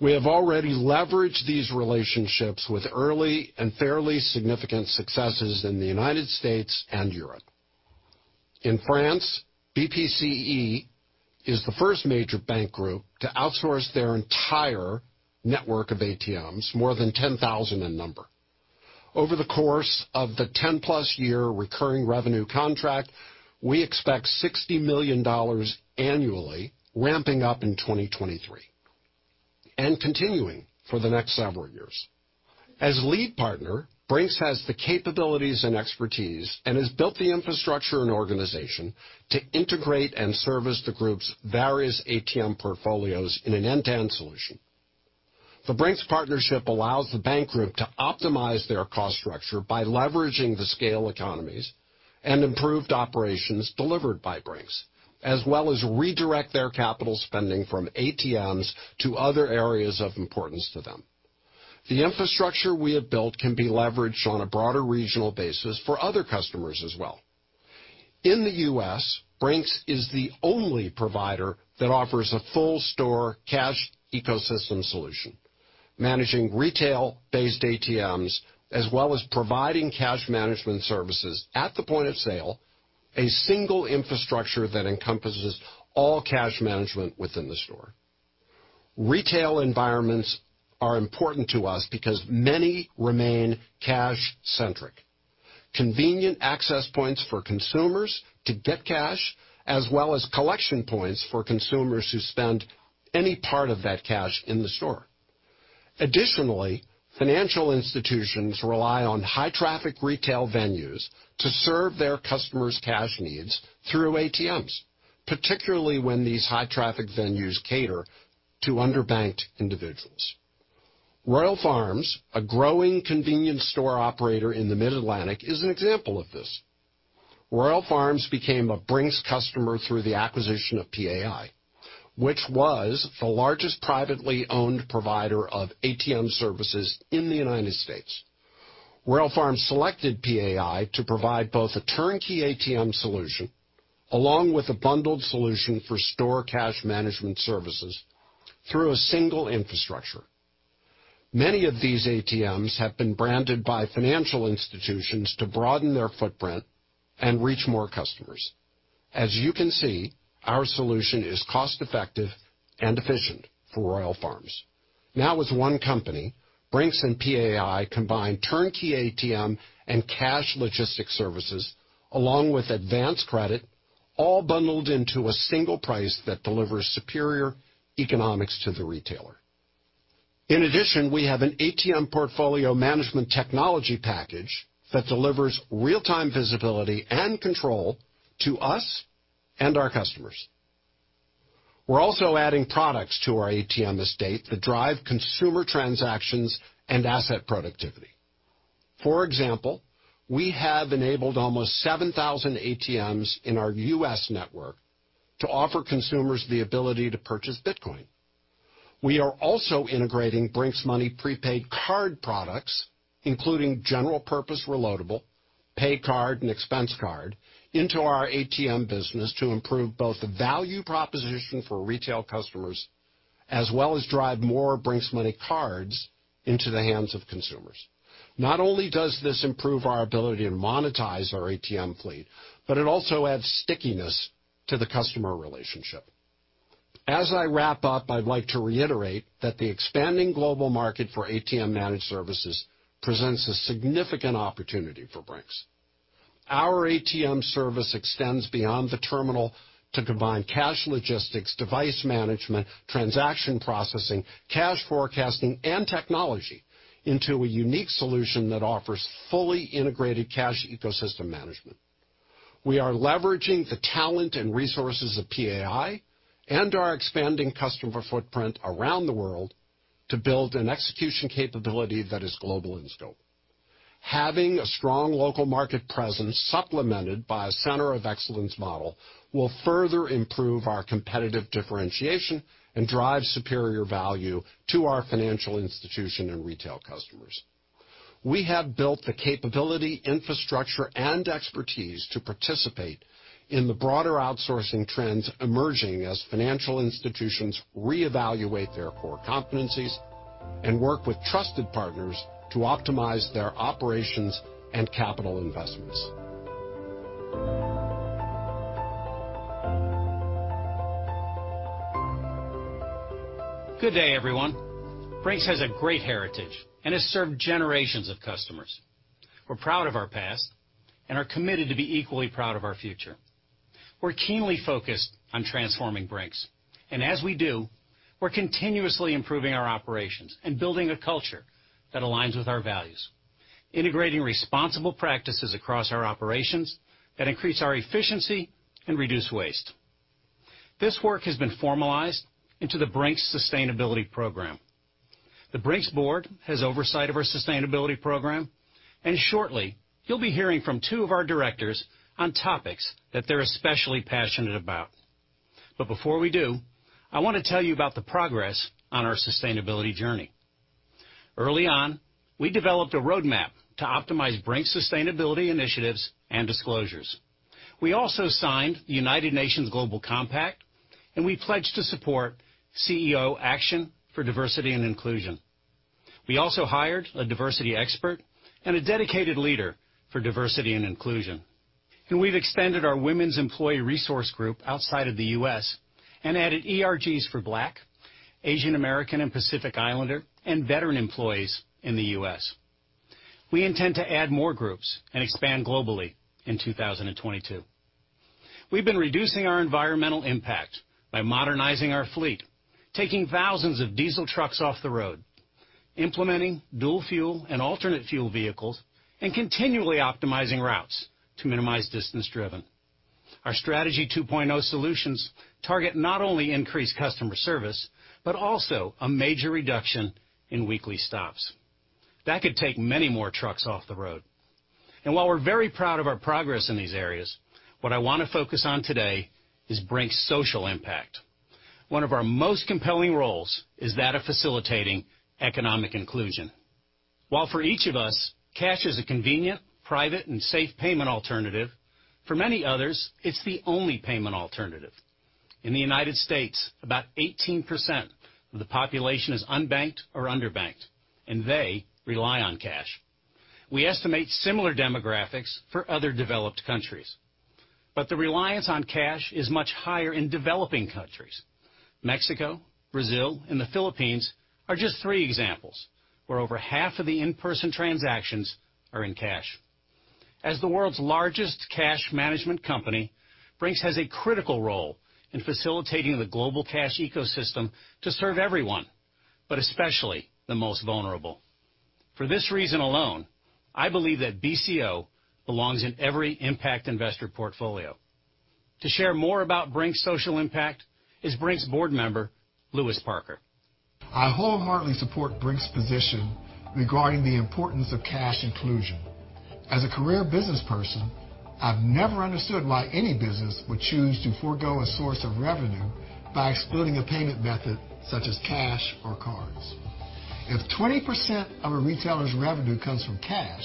We have already leveraged these relationships with early and fairly significant successes in the United States and Europe. In France, BPCE is the first major bank group to outsource their entire network of ATMs, more than 10,000 in number. Over the course of the 10+ year recurring revenue contract, we expect $60 million annually, ramping up in 2023, and continuing for the next several years. As lead partner, Brink's has the capabilities and expertise and has built the infrastructure and organization to integrate and service the group's various ATM portfolios in an end-to-end solution. The Brink's partnership allows the bank group to optimize their cost structure by leveraging the scale economies and improved operations delivered by Brink's, as well as redirect their capital spending from ATMs to other areas of importance to them. The infrastructure we have built can be leveraged on a broader regional basis for other customers as well. In the U.S., Brink's is the only provider that offers a full store cash ecosystem solution, managing retail-based ATMs, as well as providing cash management services at the point of sale, a single infrastructure that encompasses all cash management within the store. Retail environments are important to us because many remain cash-centric. Convenient access points for consumers to get cash, as well as collection points for consumers who spend any part of that cash in the store. Additionally, financial institutions rely on high-traffic retail venues to serve their customers' cash needs through ATMs, particularly when these high-traffic venues cater to underbanked individuals. Royal Farms, a growing convenience store operator in the Mid-Atlantic, is an example of this. Royal Farms became a Brink's customer through the acquisition of PAI, which was the largest privately owned provider of ATM services in the United States. Royal Farms selected PAI to provide both a turnkey ATM solution along with a bundled solution for store cash management services through a single infrastructure. Many of these ATMs have been branded by financial institutions to broaden their footprint and reach more customers. As you can see, our solution is cost-effective and efficient for Royal Farms. Now with one company, Brink's and PAI combine turnkey ATM and cash logistics services along with advanced credit, all bundled into a single price that delivers superior economics to the retailer. In addition, we have an ATM portfolio management technology package that delivers real-time visibility and control to us and our customers. We're also adding products to our ATM estate that drive consumer transactions and asset productivity. For example, we have enabled almost 7,000 ATMs in our U.S. network to offer consumers the ability to purchase Bitcoin. We are also integrating Brink's Money prepaid card products, including general purpose reloadable, pay card, and expense card into our ATM business to improve both the value proposition for retail customers, as well as drive more Brink's Money cards into the hands of consumers. Not only does this improve our ability to monetize our ATM fleet, but it also adds stickiness to the customer relationship. As I wrap up, I'd like to reiterate that the expanding global market for ATM managed services presents a significant opportunity for Brink's. Our ATM service extends beyond the terminal to combine cash logistics, device management, transaction processing, cash forecasting, and technology into a unique solution that offers fully integrated cash ecosystem management. We are leveraging the talent and resources of PAI and our expanding customer footprint around the world to build an execution capability that is global in scope. Having a strong local market presence supplemented by a center of excellence model will further improve our competitive differentiation and drive superior value to our financial institution and retail customers. We have built the capability, infrastructure, and expertise to participate in the broader outsourcing trends emerging as financial institutions reevaluate their core competencies and work with trusted partners to optimize their operations and capital investments. Good day, everyone. Brink's has a great heritage and has served generations of customers. We're proud of our past and are committed to be equally proud of our future. We're keenly focused on transforming Brink's, and as we do, we're continuously improving our operations and building a culture that aligns with our values, integrating responsible practices across our operations that increase our efficiency and reduce waste. This work has been formalized into the Brink's Sustainability Program. The Brink's board has oversight of our sustainability program, and shortly you'll be hearing from two of our directors on topics that they're especially passionate about. Before we do, I wanna tell you about the progress on our sustainability journey. Early on, we developed a roadmap to optimize Brink's sustainability initiatives and disclosures. We also signed the United Nations Global Compact, and we pledged to support CEO Action for Diversity and Inclusion. We also hired a diversity expert and a dedicated leader for diversity and inclusion. We've extended our women's employee resource group outside of the U.S. and added ERGs for Black, Asian American and Pacific Islander, and veteran employees in the U.S. We intend to add more groups and expand globally in 2022. We've been reducing our environmental impact by modernizing our fleet, taking thousands of diesel trucks off the road, implementing dual fuel and alternate fuel vehicles, and continually optimizing routes to minimize distance driven. Our Strategy 2.0 solutions target not only increased customer service, but also a major reduction in weekly stops. That could take many more trucks off the road. While we're very proud of our progress in these areas, what I wanna focus on today is Brink's social impact. One of our most compelling roles is that of facilitating economic inclusion. While for each of us, cash is a convenient, private, and safe payment alternative, for many others, it's the only payment alternative. In the United States, about 18% of the population is unbanked or underbanked, and they rely on cash. We estimate similar demographics for other developed countries, but the reliance on cash is much higher in developing countries. Mexico, Brazil, and the Philippines are just three examples, where over half of the in-person transactions are in cash. As the world's largest cash management company, Brink's has a critical role in facilitating the global cash ecosystem to serve everyone, but especially the most vulnerable. For this reason alone, I believe that BCO belongs in every impact investor portfolio. To share more about Brink's social impact is Brink's Board Member Louis Parker. I wholeheartedly support Brink's position regarding the importance of cash inclusion. As a career businessperson, I've never understood why any business would choose to forego a source of revenue by excluding a payment method such as cash or cards. If 20% of a retailer's revenue comes from cash,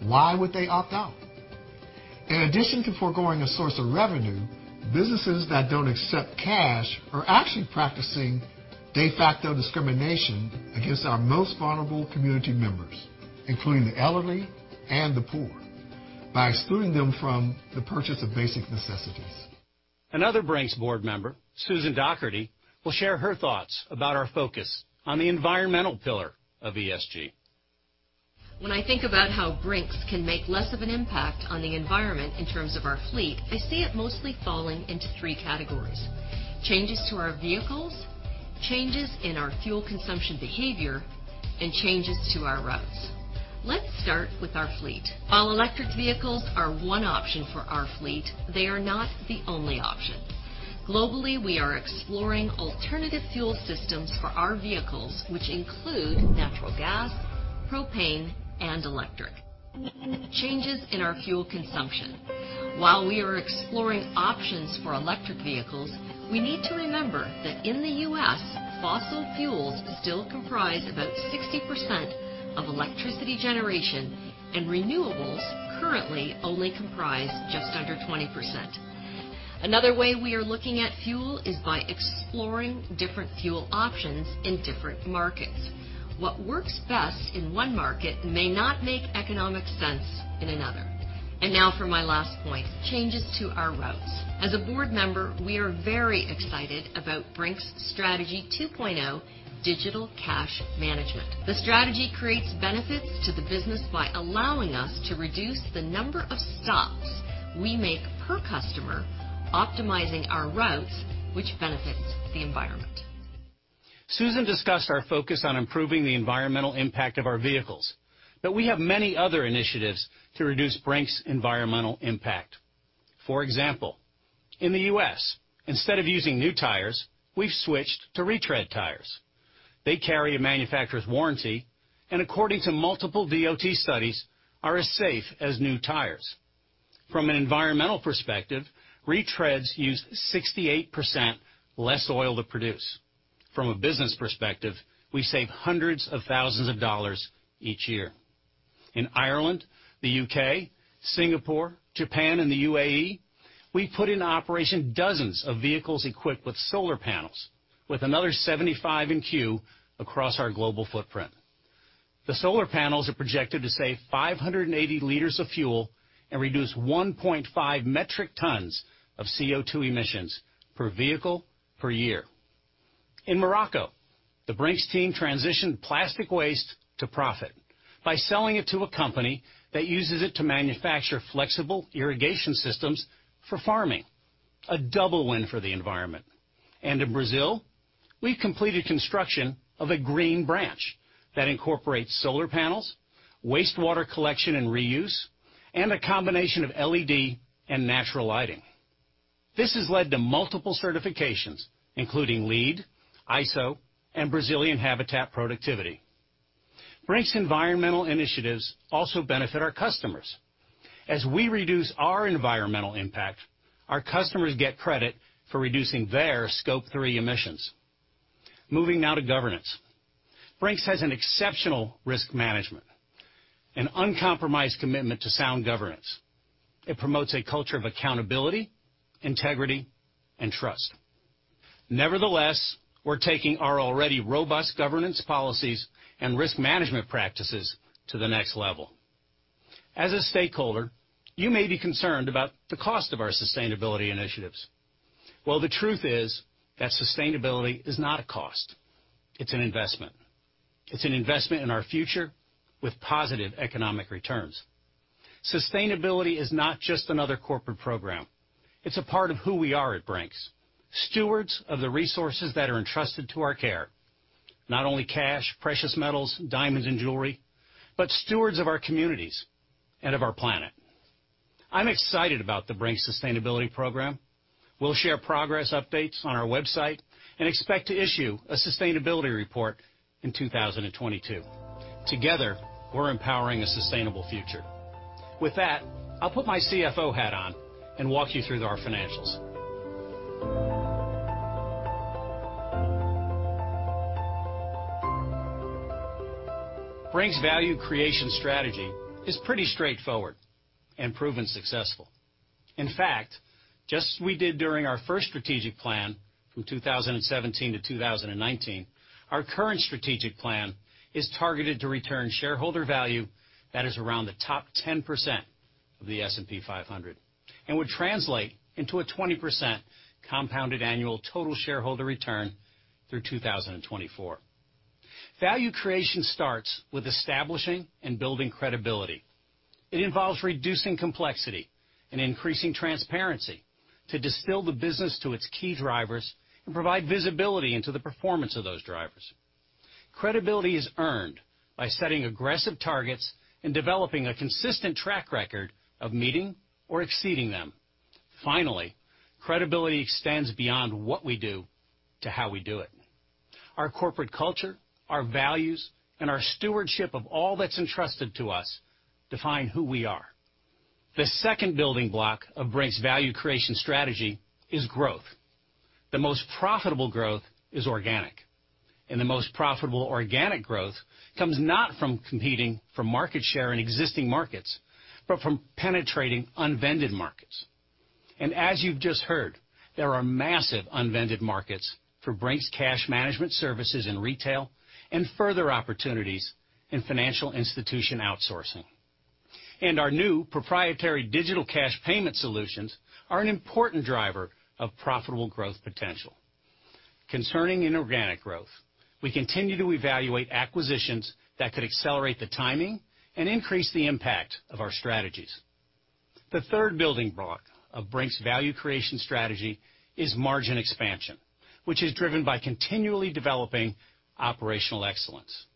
why would they opt out? In addition to foregoing a source of revenue, businesses that don't accept cash are actually practicing de facto discrimination against our most vulnerable community members, including the elderly and the poor, by excluding them from the purchase of basic necessities. Another Brink's board member, Susan Docherty, will share her thoughts about our focus on the environmental pillar of ESG. When I think about how Brink's can make less of an impact on the environment in terms of our fleet, I see it mostly falling into three categories, changes to our vehicles, changes in our fuel consumption behavior, and changes to our routes. Let's start with our fleet. While electric vehicles are one option for our fleet, they are not the only option. Globally, we are exploring alternative fuel systems for our vehicles, which include natural gas, propane, and electric. Changes in our fuel consumption while we are exploring options for electric vehicles, we need to remember that in the U.S., fossil fuels still comprise about 60% of electricity generation and renewables currently only comprise just under 20%. Another way we are looking at fuel is by exploring different fuel options in different markets. What works best in one market may not make economic sense in another. Now for my last point, changes to our routes. As a board member, we are very excited about Brink's Strategy 2.0 Digital Cash Management. The strategy creates benefits to the business by allowing us to reduce the number of stops we make per customer, optimizing our routes, which benefits the environment. Susan discussed our focus on improving the environmental impact of our vehicles, but we have many other initiatives to reduce Brink's environmental impact. For example, in the U.S., instead of using new tires, we've switched to retread tires. They carry a manufacturer's warranty, and according to multiple DOT studies, are as safe as new tires. From an environmental perspective, retreads use 68% less oil to produce. From a business perspective, we save hundreds of thousands of dollars each year. In Ireland, the U.K., Singapore, Japan, and the UAE, we put in operation dozens of vehicles equipped with solar panels with another 75 in queue across our global footprint. The solar panels are projected to save 580 liters of fuel and reduce 1.5 metric tons of CO₂ emissions per vehicle per year. In Morocco, the Brink's team transitioned plastic waste to profit by selling it to a company that uses it to manufacture flexible irrigation systems for farming, a double win for the environment. In Brazil, we've completed construction of a green branch that incorporates solar panels, wastewater collection and reuse, and a combination of LED and natural lighting. This has led to multiple certifications, including LEED, ISO, and PBQP-H. Brink's environmental initiatives also benefit our customers. As we reduce our environmental impact, our customers get credit for reducing their Scope 3 emissions. Moving now to governance. Brink's has an exceptional risk management, an uncompromised commitment to sound governance. It promotes a culture of accountability, integrity, and trust. Nevertheless, we're taking our already robust governance policies and risk management practices to the next level. As a stakeholder, you may be concerned about the cost of our sustainability initiatives. Well, the truth is that sustainability is not a cost. It's an investment. It's an investment in our future with positive economic returns. Sustainability is not just another corporate program. It's a part of who we are at Brink's, stewards of the resources that are entrusted to our care. Not only cash, precious metals, diamonds and jewelry, but stewards of our communities and of our planet. I'm excited about the Brink's sustainability program. We'll share progress updates on our website and expect to issue a sustainability report in 2022. Together, we're empowering a sustainable future. With that, I'll put my CFO hat on and walk you through our financials. Brink's value creation strategy is pretty straightforward and proven successful. In fact, just as we did during our first Strategic Plan from 2017 to 2019, our current Strategic Plan is targeted to return shareholder value that is around the top 10% of the S&P 500 and would translate into a 20% compounded annual total shareholder return through 2024. Value creation starts with establishing and building credibility. It involves reducing complexity and increasing transparency to distill the business to its key drivers and provide visibility into the performance of those drivers. Credibility is earned by setting aggressive targets and developing a consistent track record of meeting or exceeding them. Finally, credibility extends beyond what we do to how we do it. Our corporate culture, our values, and our stewardship of all that's entrusted to us define who we are. The second building block of Brink's value creation strategy is growth. The most profitable growth is organic, and the most profitable organic growth comes not from competing for market share in existing markets, but from penetrating unvended markets. As you've just heard, there are massive unvended markets for Brink's cash management services in retail and further opportunities in financial institution outsourcing. Our new proprietary digital cash payment solutions are an important driver of profitable growth potential. Concerning inorganic growth, we continue to evaluate acquisitions that could accelerate the timing and increase the impact of our strategies. The third building block of Brink's value creation strategy is margin expansion, which is driven by continually developing operational excellence.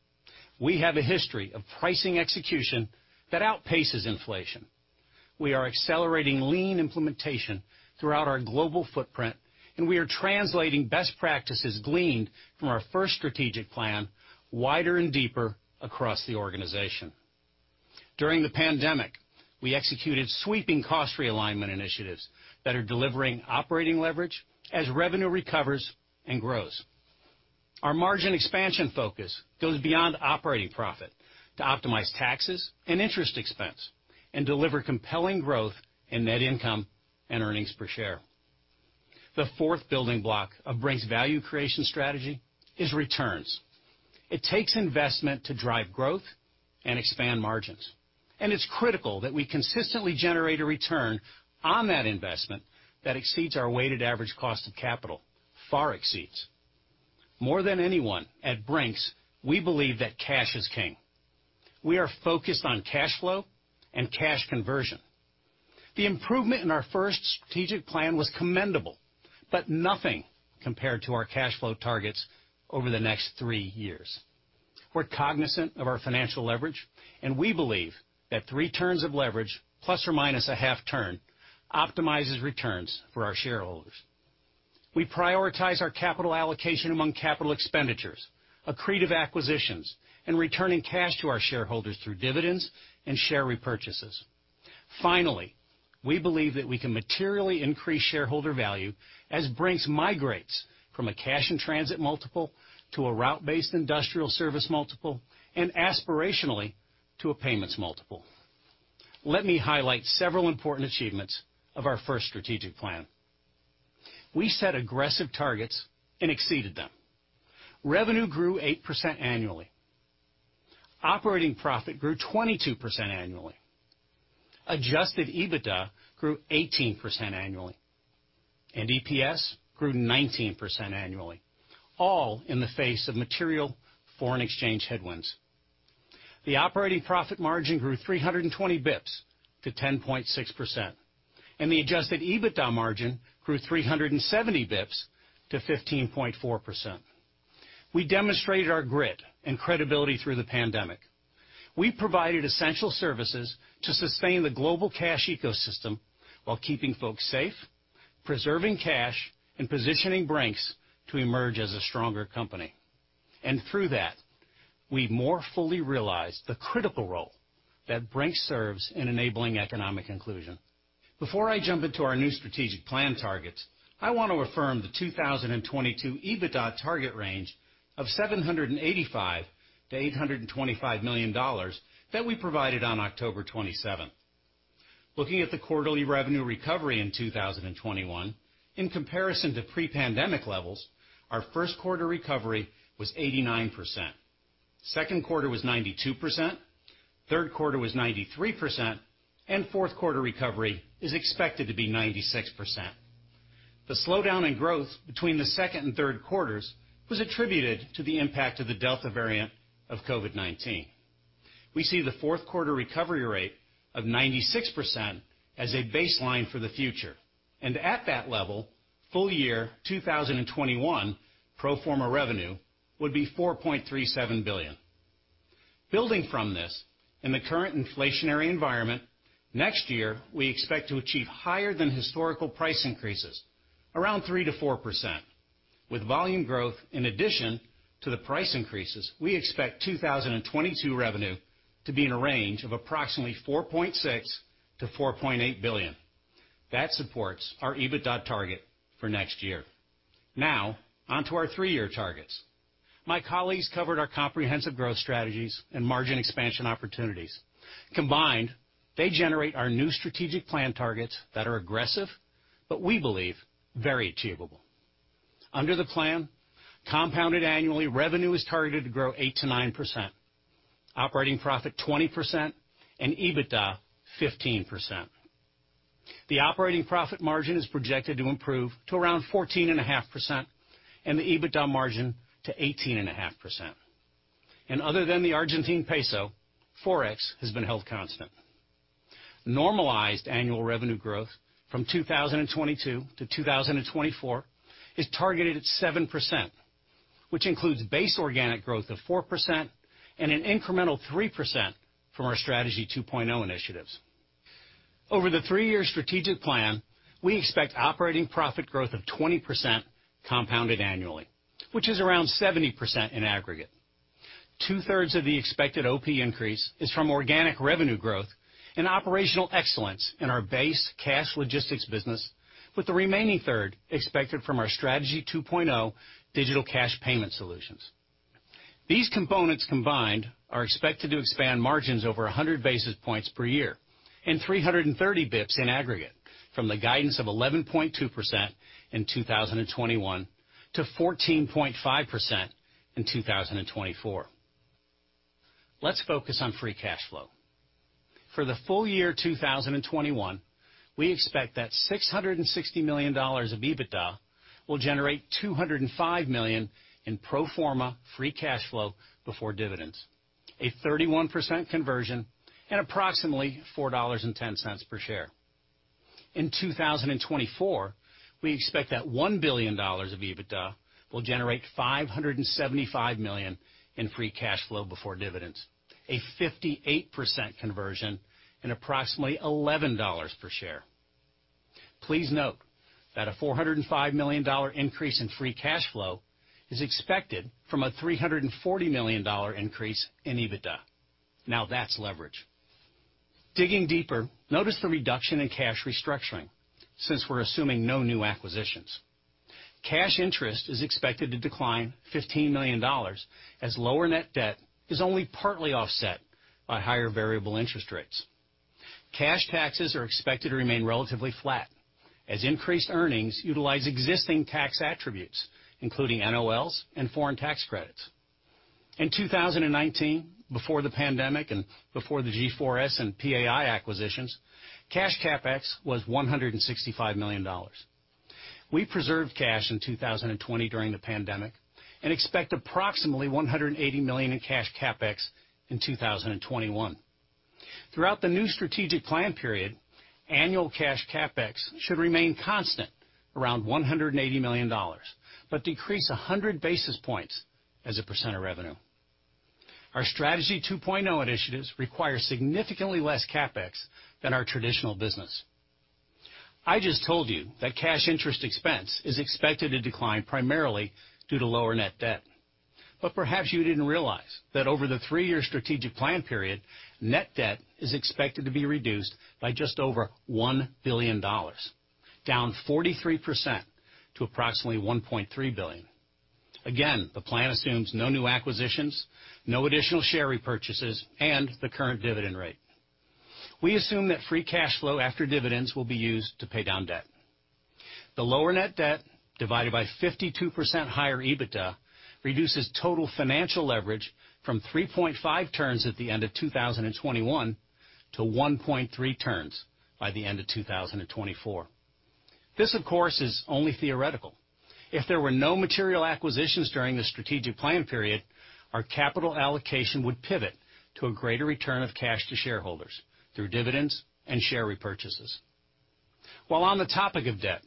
We have a history of pricing execution that outpaces inflation. We are accelerating lean implementation throughout our global footprint, and we are translating best practices gleaned from our first Strategic Plan wider and deeper across the organization. During the pandemic, we executed sweeping cost realignment initiatives that are delivering operating leverage as revenue recovers and grows. Our margin expansion focus goes beyond operating profit to optimize taxes and interest expense and deliver compelling growth in net income and earnings per share. The fourth building block of Brink's value creation strategy is returns. It takes investment to drive growth and expand margins. It's critical that we consistently generate a return on that investment that exceeds our weighted average cost of capital, far exceeds. More than anyone, at Brink's, we believe that cash is king. We are focused on cash flow and cash conversion. The improvement in our first Strategic Plan was commendable, but nothing compared to our cash flow targets over the next three years. We're cognizant of our financial leverage, and we believe that 3 turns of leverage ±0.5 turn optimizes returns for our shareholders. We prioritize our capital allocation among capital expenditures, accretive acquisitions, and returning cash to our shareholders through dividends and share repurchases. Finally, we believe that we can materially increase shareholder value as Brink's migrates from a cash and transit multiple to a route-based industrial service multiple and aspirationally to a payments multiple. Let me highlight several important achievements of our first Strategic Plan. We set aggressive targets and exceeded them. Revenue grew 8% annually. Operating profit grew 22% annually. Adjusted EBITDA grew 18% annually. EPS grew 19% annually, all in the face of material foreign exchange headwinds. The operating profit margin grew 300 basis points to 10.6%, and the adjusted EBITDA margin grew 370 basis points to 15.4%. We demonstrated our grit and credibility through the pandemic. We provided essential services to sustain the global cash ecosystem while keeping folks safe, preserving cash, and positioning Brink's to emerge as a stronger company. Through that, we more fully realized the critical role that Brink's serves in enabling economic inclusion. Before I jump into our new Strategic Plan targets, I want to affirm the 2022 EBITDA target range of $785 million-$825 million that we provided on October twenty-seventh. Looking at the quarterly revenue recovery in 2021 in comparison to pre-pandemic levels, our first quarter recovery was 89%, second quarter was 92%, third quarter was 93%, and fourth quarter recovery is expected to be 96%. The slowdown in growth between the second and third quarters was attributed to the impact of the Delta variant of COVID-19. We see the fourth quarter recovery rate of 96% as a baseline for the future. At that level, full year 2021 pro forma revenue would be $4.37 billion. Building from this, in the current inflationary environment, next year, we expect to achieve higher than historical price increases, around 3%-4%. With volume growth in addition to the price increases, we expect 2022 revenue to be in a range of approximately $4.6 billion-$4.8 billion. That supports our EBITDA target for next year. Now on to our three-year targets. My colleagues covered our comprehensive growth strategies and margin expansion opportunities. Combined, they generate our new Strategic Plan targets that are aggressive, but we believe very achievable. Under the plan, compounded annually, revenue is targeted to grow 8%-9%, operating profit 20%, and EBITDA 15%. The operating profit margin is projected to improve to around 14.5%, and the EBITDA margin to 18.5%. Other than the Argentine peso, Forex has been held constant. Normalized annual revenue growth from 2022 to 2024 is targeted at 7%, which includes base organic growth of 4% and an incremental 3% from our Strategy 2.0 initiatives. Over the three-year Strategic Plan, we expect operating profit growth of 20% compounded annually, which is around 70% in aggregate. Two-thirds of the expected OP increase is from organic revenue growth and operational excellence in our base cash logistics business, with the remaining third expected from our Strategy 2.0 digital cash payment solutions. These components combined are expected to expand margins over 100 basis points per year and 330 basis points in aggregate from the guidance of 11.2% in 2021 to 14.5% in 2024. Let's focus on free cash flow. For the full year 2021, we expect that $660 million of EBITDA will generate $205 million in pro forma free cash flow before dividends, a 31% conversion, and approximately $4.10 per share. In 2024, we expect that $1 billion of EBITDA will generate $575 million in free cash flow before dividends, a 58% conversion, and approximately $11 per share. Please note that a $405 million increase in free cash flow is expected from a $340 million increase in EBITDA. Now, that's leverage. Digging deeper, notice the reduction in cash restructuring since we're assuming no new acquisitions. Cash interest is expected to decline $15 million as lower net debt is only partly offset by higher variable interest rates. Cash taxes are expected to remain relatively flat as increased earnings utilize existing tax attributes, including NOLs and foreign tax credits. In 2019, before the pandemic and before the G4S and PAI acquisitions, cash CapEx was $165 million. We preserved cash in 2020 during the pandemic and expect approximately $180 million in cash CapEx in 2021. Throughout the new Strategic Plan period, annual cash CapEx should remain constant around $180 million but decrease 100 basis points as a percent of revenue. Our Strategy 2.0 initiatives require significantly less CapEx than our traditional business. I just told you that cash interest expense is expected to decline primarily due to lower net debt. Perhaps you didn't realize that over the three-year Strategic Plan period, net debt is expected to be reduced by just over $1 billion, down 43% to approximately $1.3 billion. Again, the plan assumes no new acquisitions, no additional share repurchases, and the current dividend rate. We assume that free cash flow after dividends will be used to pay down debt. The lower net debt divided by 52% higher EBITDA reduces total financial leverage from 3.5 turns at the end of 2021 to 1.3 turns by the end of 2024. This, of course, is only theoretical. If there were no material acquisitions during the Strategic Plan period, our capital allocation would pivot to a greater return of cash to shareholders through dividends and share repurchases. While on the topic of debt,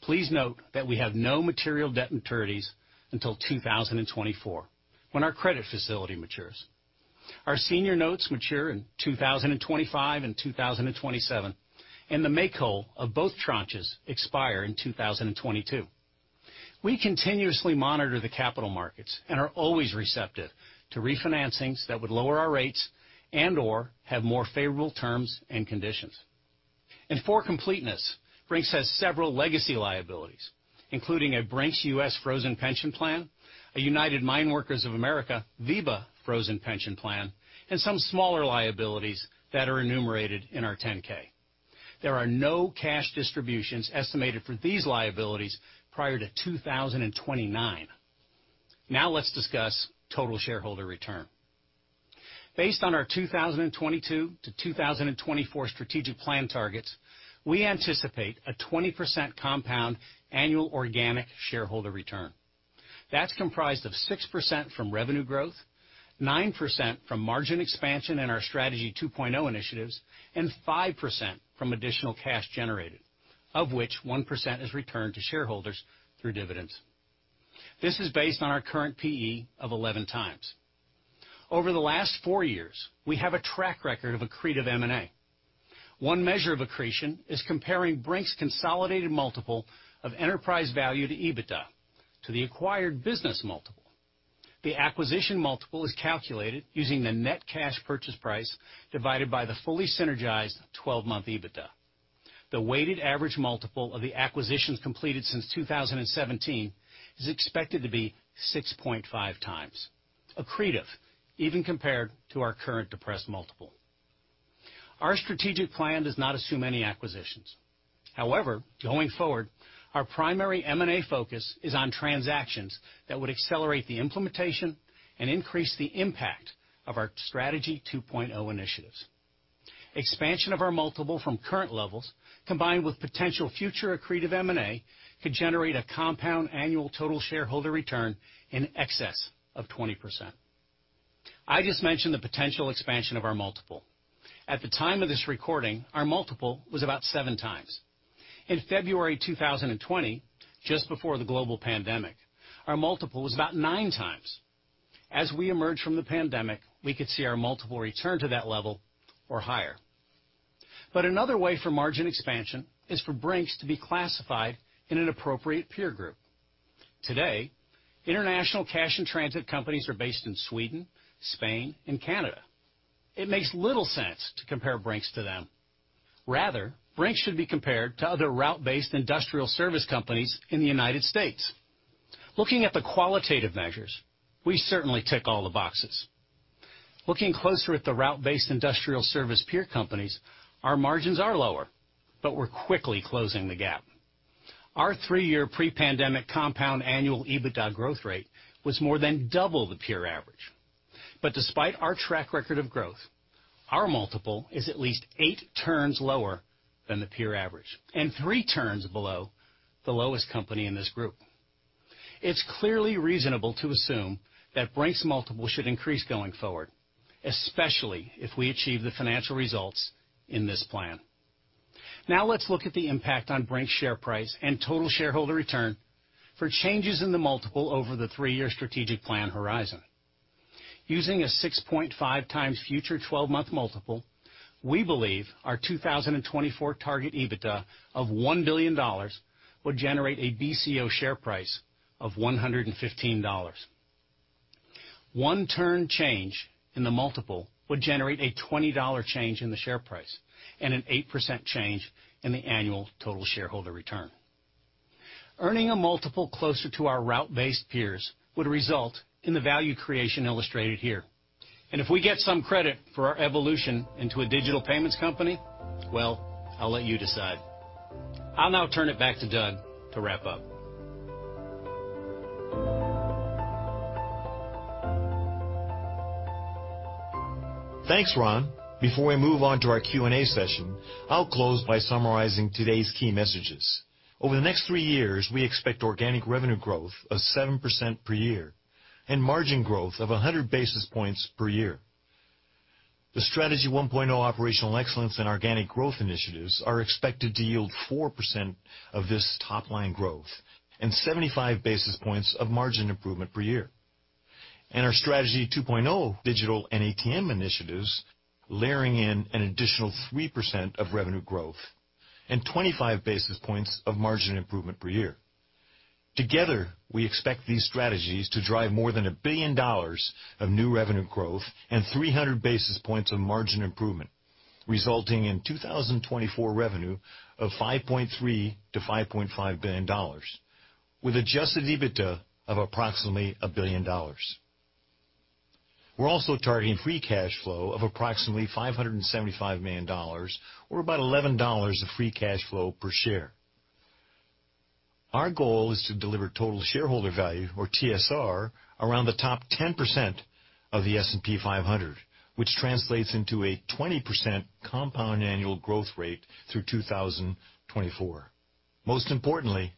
please note that we have no material debt maturities until 2024, when our credit facility matures. Our senior notes mature in 2025 and 2027, and the make-whole of both tranches expire in 2022. We continuously monitor the capital markets and are always receptive to refinancings that would lower our rates and/or have more favorable terms and conditions. For completeness, Brink's has several legacy liabilities, including a Brink's U.S. Frozen Pension Plan, a United Mine Workers of America VEBA Frozen Pension Plan, and some smaller liabilities that are enumerated in our 10-K. There are no cash distributions estimated for these liabilities prior to 2029. Now let's discuss total shareholder return. Based on our 2022-2024 Strategic Plan targets, we anticipate a 20% compound annual organic shareholder return. That's comprised of 6% from revenue growth, 9% from margin expansion and our Strategy 2.0 initiatives, and 5% from additional cash generated, of which 1% is returned to shareholders through dividends. This is based on our current PE of 11x. Over the last four years, we have a track record of accretive M&A. One measure of accretion is comparing Brink's consolidated multiple of enterprise value to EBITDA to the acquired business multiple. The acquisition multiple is calculated using the net cash purchase price divided by the fully synergized 12-month EBITDA. The weighted average multiple of the acquisitions completed since 2017 is expected to be 6.5x, accretive even compared to our current depressed multiple. Our Strategic Plan does not assume any acquisitions. However, going forward, our primary M&A focus is on transactions that would accelerate the implementation and increase the impact of our Strategy 2.0 initiatives. Expansion of our multiple from current levels, combined with potential future accretive M&A, could generate a compound annual total shareholder return in excess of 20%. I just mentioned the potential expansion of our multiple. At the time of this recording, our multiple was about 7x. In February 2020, just before the global pandemic, our multiple was about 9x. As we emerge from the pandemic, we could see our multiple return to that level or higher. Another way for margin expansion is for Brink's to be classified in an appropriate peer group. Today, international cash and transit companies are based in Sweden, Spain, and Canada. It makes little sense to compare Brink's to them. Rather, Brink's should be compared to other route-based industrial service companies in the United States. Looking at the qualitative measures, we certainly tick all the boxes. Looking closer at the route-based industrial service peer companies, our margins are lower, but we're quickly closing the gap. Our three-year pre-pandemic compound annual EBITDA growth rate was more than double the peer average. Despite our track record of growth, our multiple is at least eight turns lower than the peer average and 3 turns below the lowest company in this group. It's clearly reasonable to assume that Brink's multiple should increase going forward, especially if we achieve the financial results in this plan. Now let's look at the impact on Brink's share price and total shareholder return for changes in the multiple over the three-year Strategic Plan horizon. Using a 6.5x future 12-month multiple, we believe our 2024 target EBITDA of $1 billion will generate a BCO share price of $115. 1 turn change in the multiple would generate a $20 change in the share price and an 8% change in the annual total shareholder return. Earning a multiple closer to our route-based peers would result in the value creation illustrated here. If we get some credit for our evolution into a digital payments company, well, I'll let you decide. I'll now turn it back to Doug to wrap up. Thanks, Ron. Before we move on to our Q&A session, I'll close by summarizing today's key messages. Over the next three years, we expect organic revenue growth of 7% per year and margin growth of 100 basis points per year. The Strategy 1.0 operational excellence and organic growth initiatives are expected to yield 4% of this top-line growth and 75 basis points of margin improvement per year. Our Strategy 2.0 digital and ATM initiatives layering in an additional 3% of revenue growth and 25 basis points of margin improvement per year. Together, we expect these strategies to drive more than $1 billion of new revenue growth and 300 basis points of margin improvement, resulting in 2024 revenue of $5.3 billion-$5.5 billion with adjusted EBITDA of approximately $1 billion. We're also targeting free cash flow of approximately $575 million or about $11 of free cash flow per share. Our goal is to deliver total shareholder value or TSR around the top 10% of the S&P 500, which translates into a 20% compound annual growth rate through 2024. Most importantly,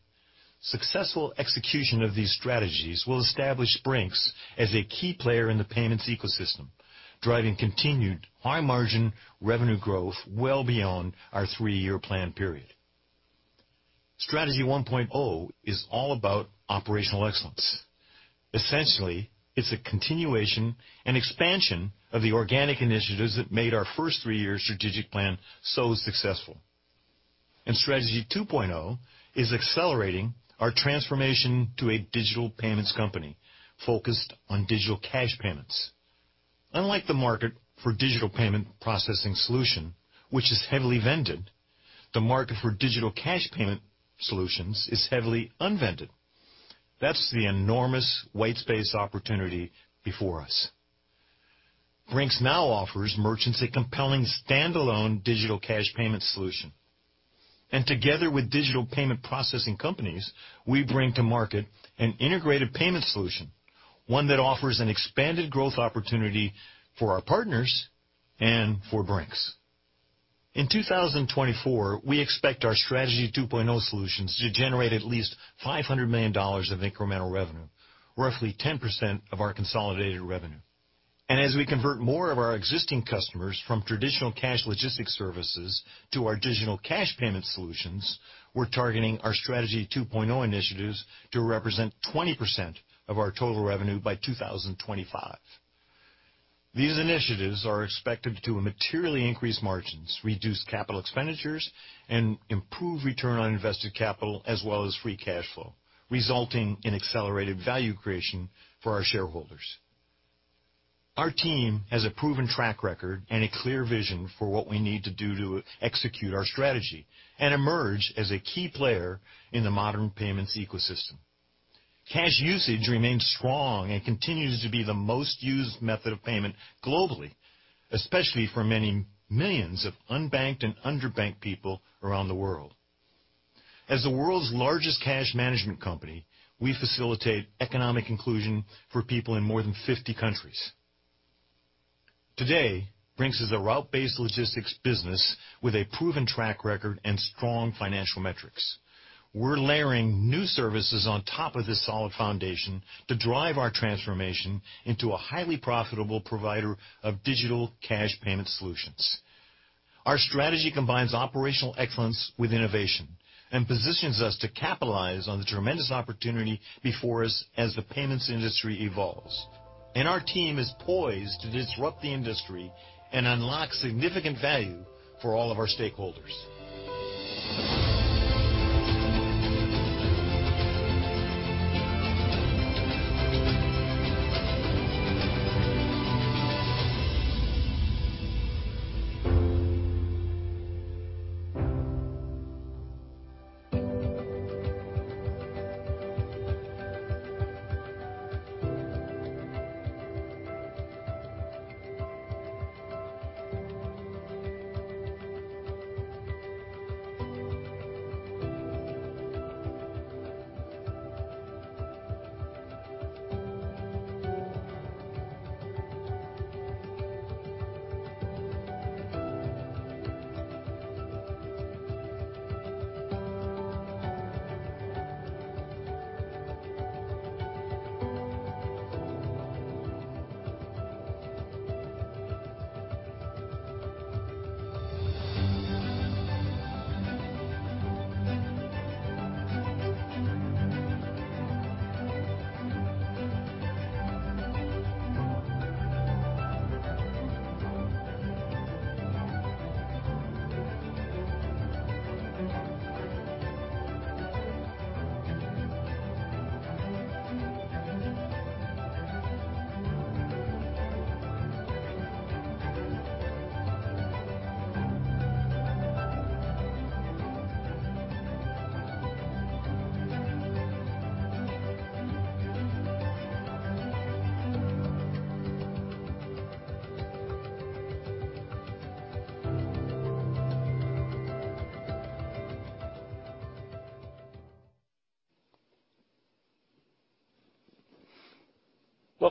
successful execution of these strategies will establish Brink's as a key player in the payments ecosystem, driving continued high margin revenue growth well beyond our three-year plan period. Strategy 1.0 is all about operational excellence. Essentially, it's a continuation and expansion of the organic initiatives that made our first three-year Strategic Plan so successful. Strategy 2.0 is accelerating our transformation to a digital payments company focused on digital cash payments. Unlike the market for digital payment processing solution, which is heavily vended, the market for digital cash payment solutions is heavily unvended. That's the enormous white space opportunity before us. Brink's now offers merchants a compelling standalone digital cash payment solution. Together with digital payment processing companies, we bring to market an integrated payment solution, one that offers an expanded growth opportunity for our partners and for Brink's. In 2024, we expect our Strategy 2.0 solutions to generate at least $500 million of incremental revenue, roughly 10% of our consolidated revenue. As we convert more of our existing customers from traditional cash logistics services to our digital cash payment solutions, we're targeting our Strategy 2.0 initiatives to represent 20% of our total revenue by 2025. These initiatives are expected to materially increase margins, reduce capital expenditures, and improve return on invested capital as well as free cash flow, resulting in accelerated value creation for our shareholders. Our team has a proven track record and a clear vision for what we need to do to execute our strategy and emerge as a key player in the modern payments ecosystem. Cash usage remains strong and continues to be the most used method of payment globally, especially for many millions of unbanked and underbanked people around the world. As the world's largest cash management company, we facilitate economic inclusion for people in more than 50 countries. Today, Brink's is a route-based logistics business with a proven track record and strong financial metrics. We're layering new services on top of this solid foundation to drive our transformation into a highly profitable provider of digital cash payment solutions. Our strategy combines operational excellence with innovation and positions us to capitalize on the tremendous opportunity before us as the payments industry evolves. Our team is poised to disrupt the industry and unlock significant value for all of our stakeholders.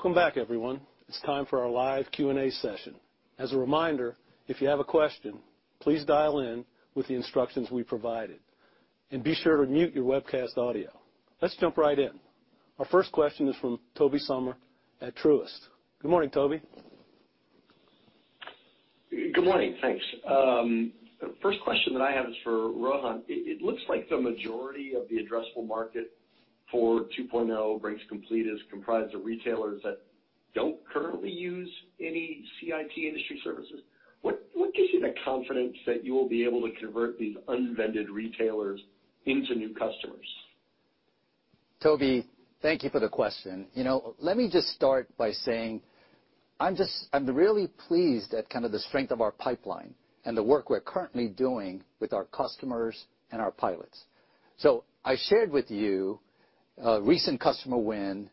Welcome back, everyone. It's time for our live Q&A session. As a reminder, if you have a question, please dial in with the instructions we provided, and be sure to mute your webcast audio. Let's jump right in. Our first question is from Tobey Sommer at Truist. Good morning, Tobey. Good morning. Thanks. First question that I have is for Rohan. It looks like the majority of the addressable market for 2.0 Brink's Complete is comprised of retailers that don't currently use any CIT industry services. What gives you the confidence that you will be able to convert these unvended retailers into new customers? Tobey, thank you for the question. You know, let me just start by saying I'm really pleased at kind of the strength of our pipeline and the work we're currently doing with our customers and our pilots. I shared with you a recent customer win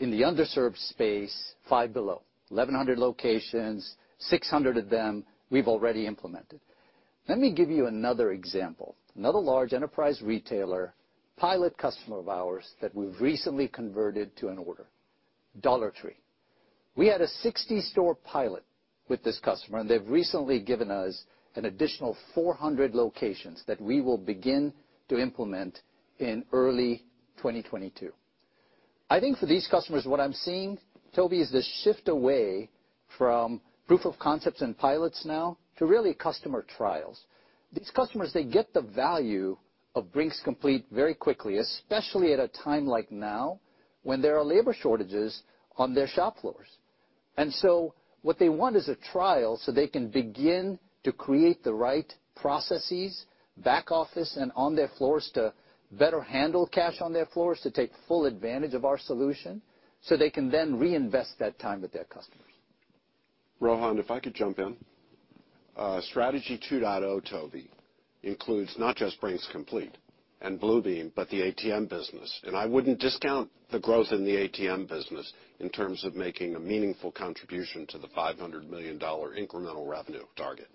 in the underserved space, Five Below. 1,100 locations, 600 of them we've already implemented. Let me give you another example, another large enterprise retailer, pilot customer of ours that we've recently converted to an order, Dollar Tree. We had a 60-store pilot with this customer, and they've recently given us an additional 400 locations that we will begin to implement in early 2022. I think for these customers, what I'm seeing, Tobey, is the shift away from proof of concepts and pilots now to really customer trials. These customers, they get the value of Brink's Complete very quickly, especially at a time like now when there are labor shortages on their shop floors. What they want is a trial so they can begin to create the right processes, back office, and on their floors to better handle cash on their floors to take full advantage of our solution, so they can then reinvest that time with their customers. Rohan, if I could jump in. Strategy 2.0, Tobey, includes not just Brink's Complete and BLUbeem, but the ATM business. I wouldn't discount the growth in the ATM business in terms of making a meaningful contribution to the $500 million incremental revenue target.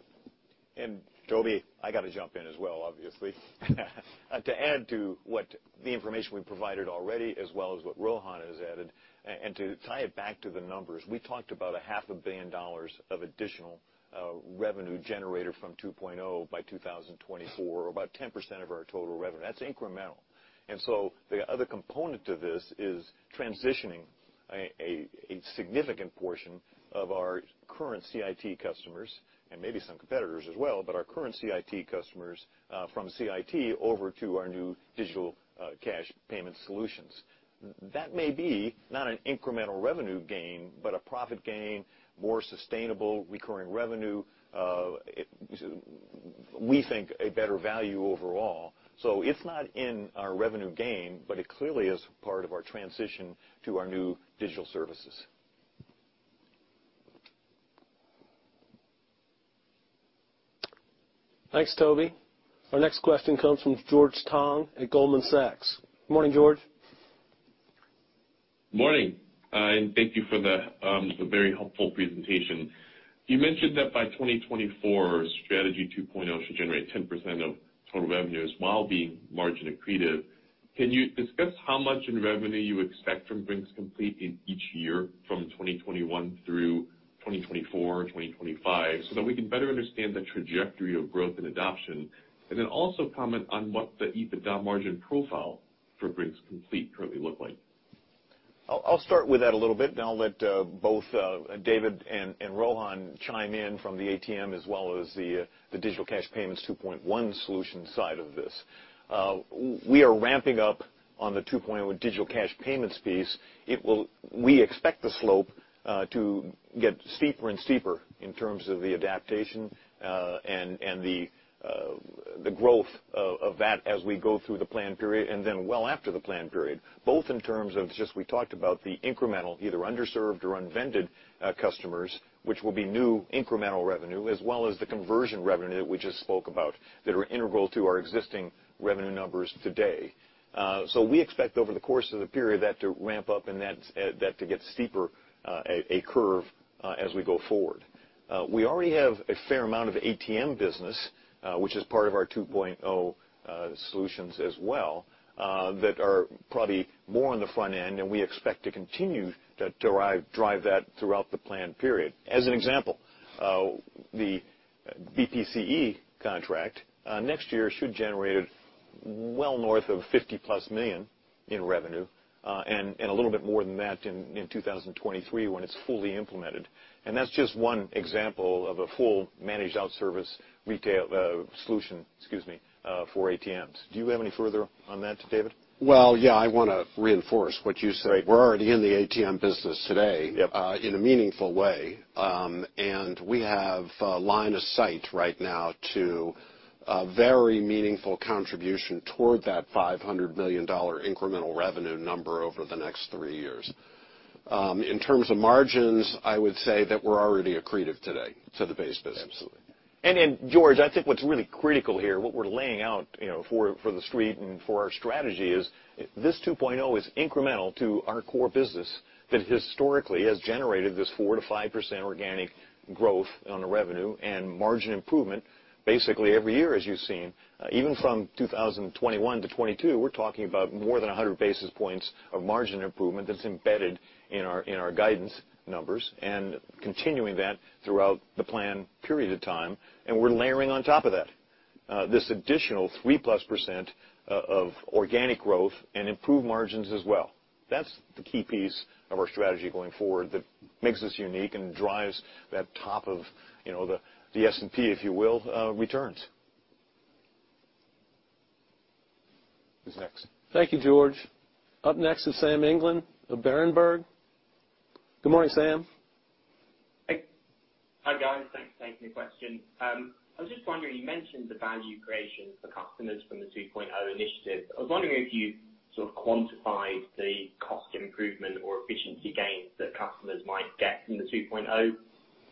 Tobey, I gotta jump in as well, obviously. To add to what the information we provided already, as well as what Rohan has added, and to tie it back to the numbers, we talked about a $500,000 of additional revenue generator from 2.0 by 2024, about 10% of our total revenue. That's incremental. The other component to this is transitioning a significant portion of our current CIT customers, and maybe some competitors as well, but our current CIT customers, from CIT over to our new digital cash payment solutions. That may not be an incremental revenue gain, but a profit gain, more sustainable recurring revenue, we think a better value overall. It's not in our revenue gain, but it clearly is part of our transition to our new digital services. Thanks, Tobey. Our next question comes from George Tong at Goldman Sachs. Morning, George. Morning, and thank you for the very helpful presentation. You mentioned that by 2024, Strategy 2.0 should generate 10% of total revenues while being margin accretive. Can you discuss how much in revenue you expect from Brink's Complete in each year from 2021 through 2024, 2025, so that we can better understand the trajectory of growth and adoption? Also comment on what the EBITDA margin profile for Brink's Complete currently look like. I'll start with that a little bit, and I'll let both David and Rohan chime in from the ATM as well as the digital cash payments 2.1 solution side of this. We are ramping up on the 2.1 with digital cash payments piece. We expect the slope to get steeper and steeper in terms of the adoption and the growth of that as we go through the plan period and then well after the plan period, both in terms of just we talked about the incremental, either underserved or unvended customers, which will be new incremental revenue, as well as the conversion revenue that we just spoke about that are integral to our existing revenue numbers today. We expect over the course of the period that to ramp up and that to get steeper, a curve, as we go forward. We already have a fair amount of ATM business, which is part of our 2.0 solutions as well, that are probably more on the front end, and we expect to continue to drive that throughout the plan period. As an example, the BPCE contract next year should generate well north of $50+ million in revenue, and a little bit more than that in 2023 when it's fully implemented. That's just one example of a full managed outsourcing service solution, excuse me, for ATMs. Do you have any further on that, David? Well, yeah, I wanna reinforce what you say. Great. We're already in the ATM business today in a meaningful way. We have line of sight right now to a very meaningful contribution toward that $500 million incremental revenue number over the next three years. In terms of margins, I would say that we're already accretive today to the base business. Absolutely. George, I think what's really critical here, what we're laying out, you know, for the Street and for our strategy is this 2.0 is incremental to our core business that historically has generated this 4%-5% organic growth on the revenue and margin improvement basically every year, as you've seen. Even from 2021 to 2022, we're talking about more than 100 basis points of margin improvement that's embedded in our guidance numbers and continuing that throughout the plan period of time, and we're layering on top of that this additional 3%+ of organic growth and improved margins as well. That's the key piece of our strategy going forward that makes us unique and drives that top of, you know, the S&P, if you will, returns. Who's next? Thank you, George. Up next is Sam England of Berenberg. Good morning, Sam. Hi. Hi, guys. Thanks for taking the question. I was just wondering, you mentioned the value creation for customers from the 2.0 initiative. I was wondering if you sort of quantified the cost improvement or efficiency gains that customers might get from the 2.0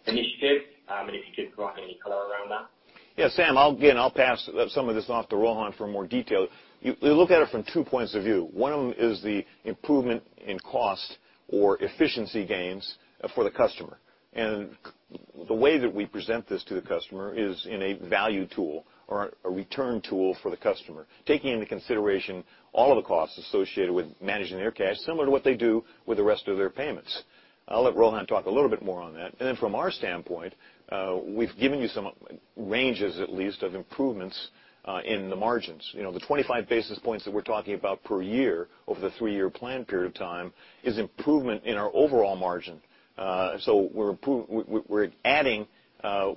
initiative, and if you could provide any color around that. Yeah, Sam, I'll pass some of this off to Rohan for more detail. You look at it from two points of view. One of them is the improvement in cost or efficiency gains for the customer. The way that we present this to the customer is in a value tool or a return tool for the customer, taking into consideration all of the costs associated with managing their cash, similar to what they do with the rest of their payments. I'll let Rohan talk a little bit more on that. Then from our standpoint, we've given you some ranges at least of improvements in the margins. You know, the 25 basis points that we're talking about per year over the three-year plan period of time is improvement in our overall margin. We're adding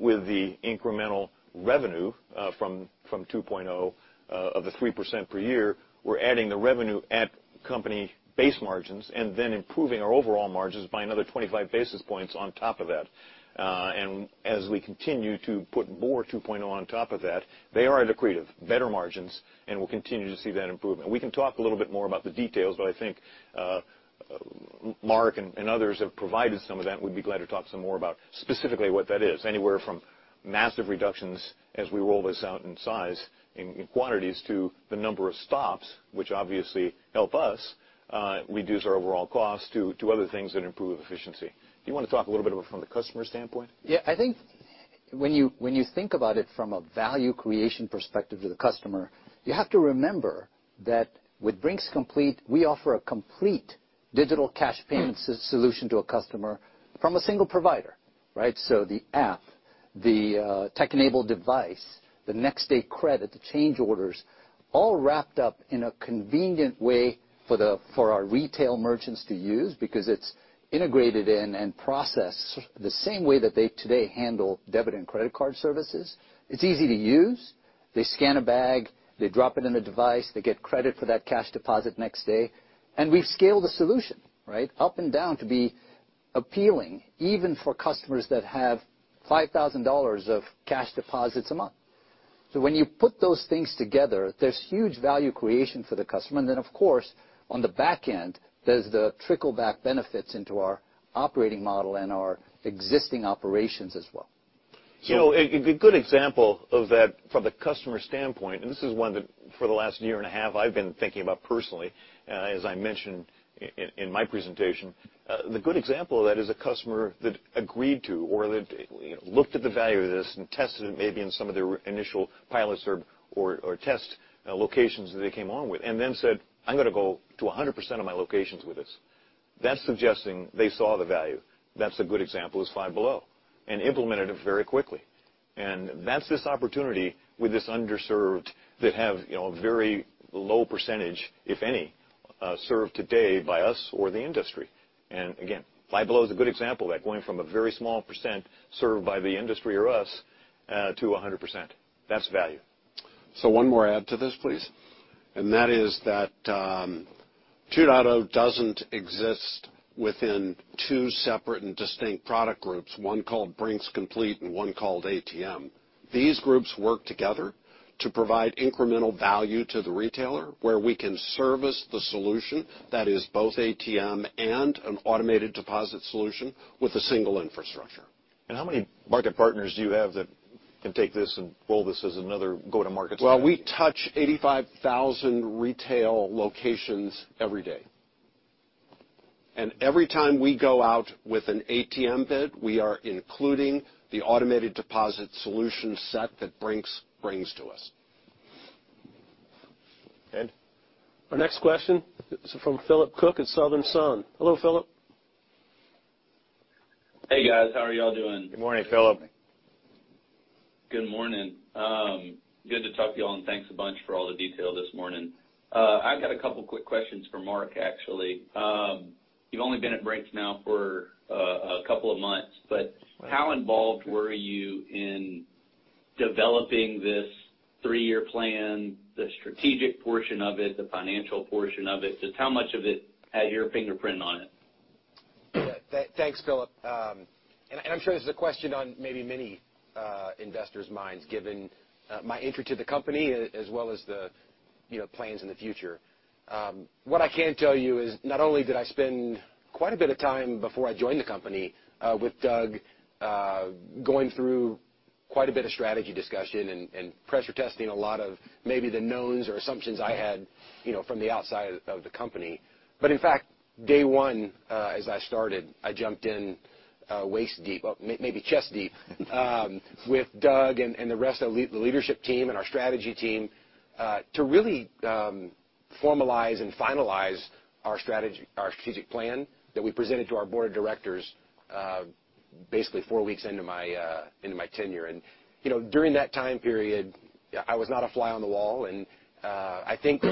with the incremental revenue from 2.0 of the 3% per year, we're adding the revenue at company base margins and then improving our overall margins by another 25 basis points on top of that. As we continue to put more 2.0 on top of that, they are accretive, better margins, and we'll continue to see that improvement. We can talk a little bit more about the details, but I think Mark and others have provided some of that, and we'd be glad to talk some more about specifically what that is, anywhere from massive reductions as we roll this out in size, in quantities to the number of stops, which obviously help us reduce our overall cost to other things that improve efficiency. Do you wanna talk a little bit about it from the customer standpoint? Yeah, I think. When you think about it from a value creation perspective to the customer, you have to remember that with Brink's Complete, we offer a complete digital cash payment solution to a customer from a single provider, right? The app, the tech-enabled device, the next day credit, the change orders, all wrapped up in a convenient way for our retail merchants to use because it's integrated in and processed the same way that they today handle debit and credit card services. It's easy to use. They scan a bag, they drop it in the device, they get credit for that cash deposit next day. We've scaled the solution, right, up and down to be appealing even for customers that have $5,000 of cash deposits a month. When you put those things together, there's huge value creation for the customer. Of course, on the back end, there's the trickle-back benefits into our operating model and our existing operations as well. A good example of that from the customer standpoint, and this is one that for the last year and a half I've been thinking about personally, as I mentioned in my presentation, the good example of that is a customer that, you know, looked at the value of this and tested it maybe in some of their initial pilots or test locations that they came on with and then said, "I'm gonna go to 100% of my locations with this." That's suggesting they saw the value. That's a good example is Five Below and implemented it very quickly. That's this opportunity with this underserved that have, you know, very low percentage, if any, served today by us or the industry. Again, Five Below is a good example of that, going from a very small percent served by the industry or us, to 100%. That's value. One more add to this, please. That is that, 2.0 doesn't exist within two separate and distinct product groups, one called Brink's Complete and one called ATM. These groups work together to provide incremental value to the retailer, where we can service the solution that is both ATM and an automated deposit solution with a single infrastructure. How many market partners do you have that can take this and roll this as another go-to-market strategy? Well, we touch 85,000 retail locations every day. Every time we go out with an ATM bid, we are including the automated deposit solution set that Brink's brings to us. Ed? Our next question is from Phillip Cook at SouthernSun. Hello, Phillip. Hey, guys. How are y'all doing? Good morning, Phillip. Good morning. Good to talk to y'all, and thanks a bunch for all the detail this morning. I've got a couple quick questions for Mark, actually. You've only been at Brink's now for a couple of months, but how involved were you in developing this three-year plan, the strategic portion of it, the financial portion of it? Just how much of it had your fingerprint on it? Yeah. Thanks, Phillip. I'm sure this is a question on maybe many investors' minds given my entry to the company as well as the, you know, plans in the future. What I can tell you is not only did I spend quite a bit of time before I joined the company with Doug going through quite a bit of strategy discussion and pressure testing a lot of maybe the knowns or assumptions I had, you know, from the outside of the company. In fact, day one, as I started, I jumped in, waist-deep, well, maybe chest-deep, with Doug and the rest of the leadership team and our strategy team, to really formalize and finalize our strategy, our Strategic Plan that we presented to our board of directors, basically four weeks into my tenure. You know, during that time period, I was not a fly on the wall, and I think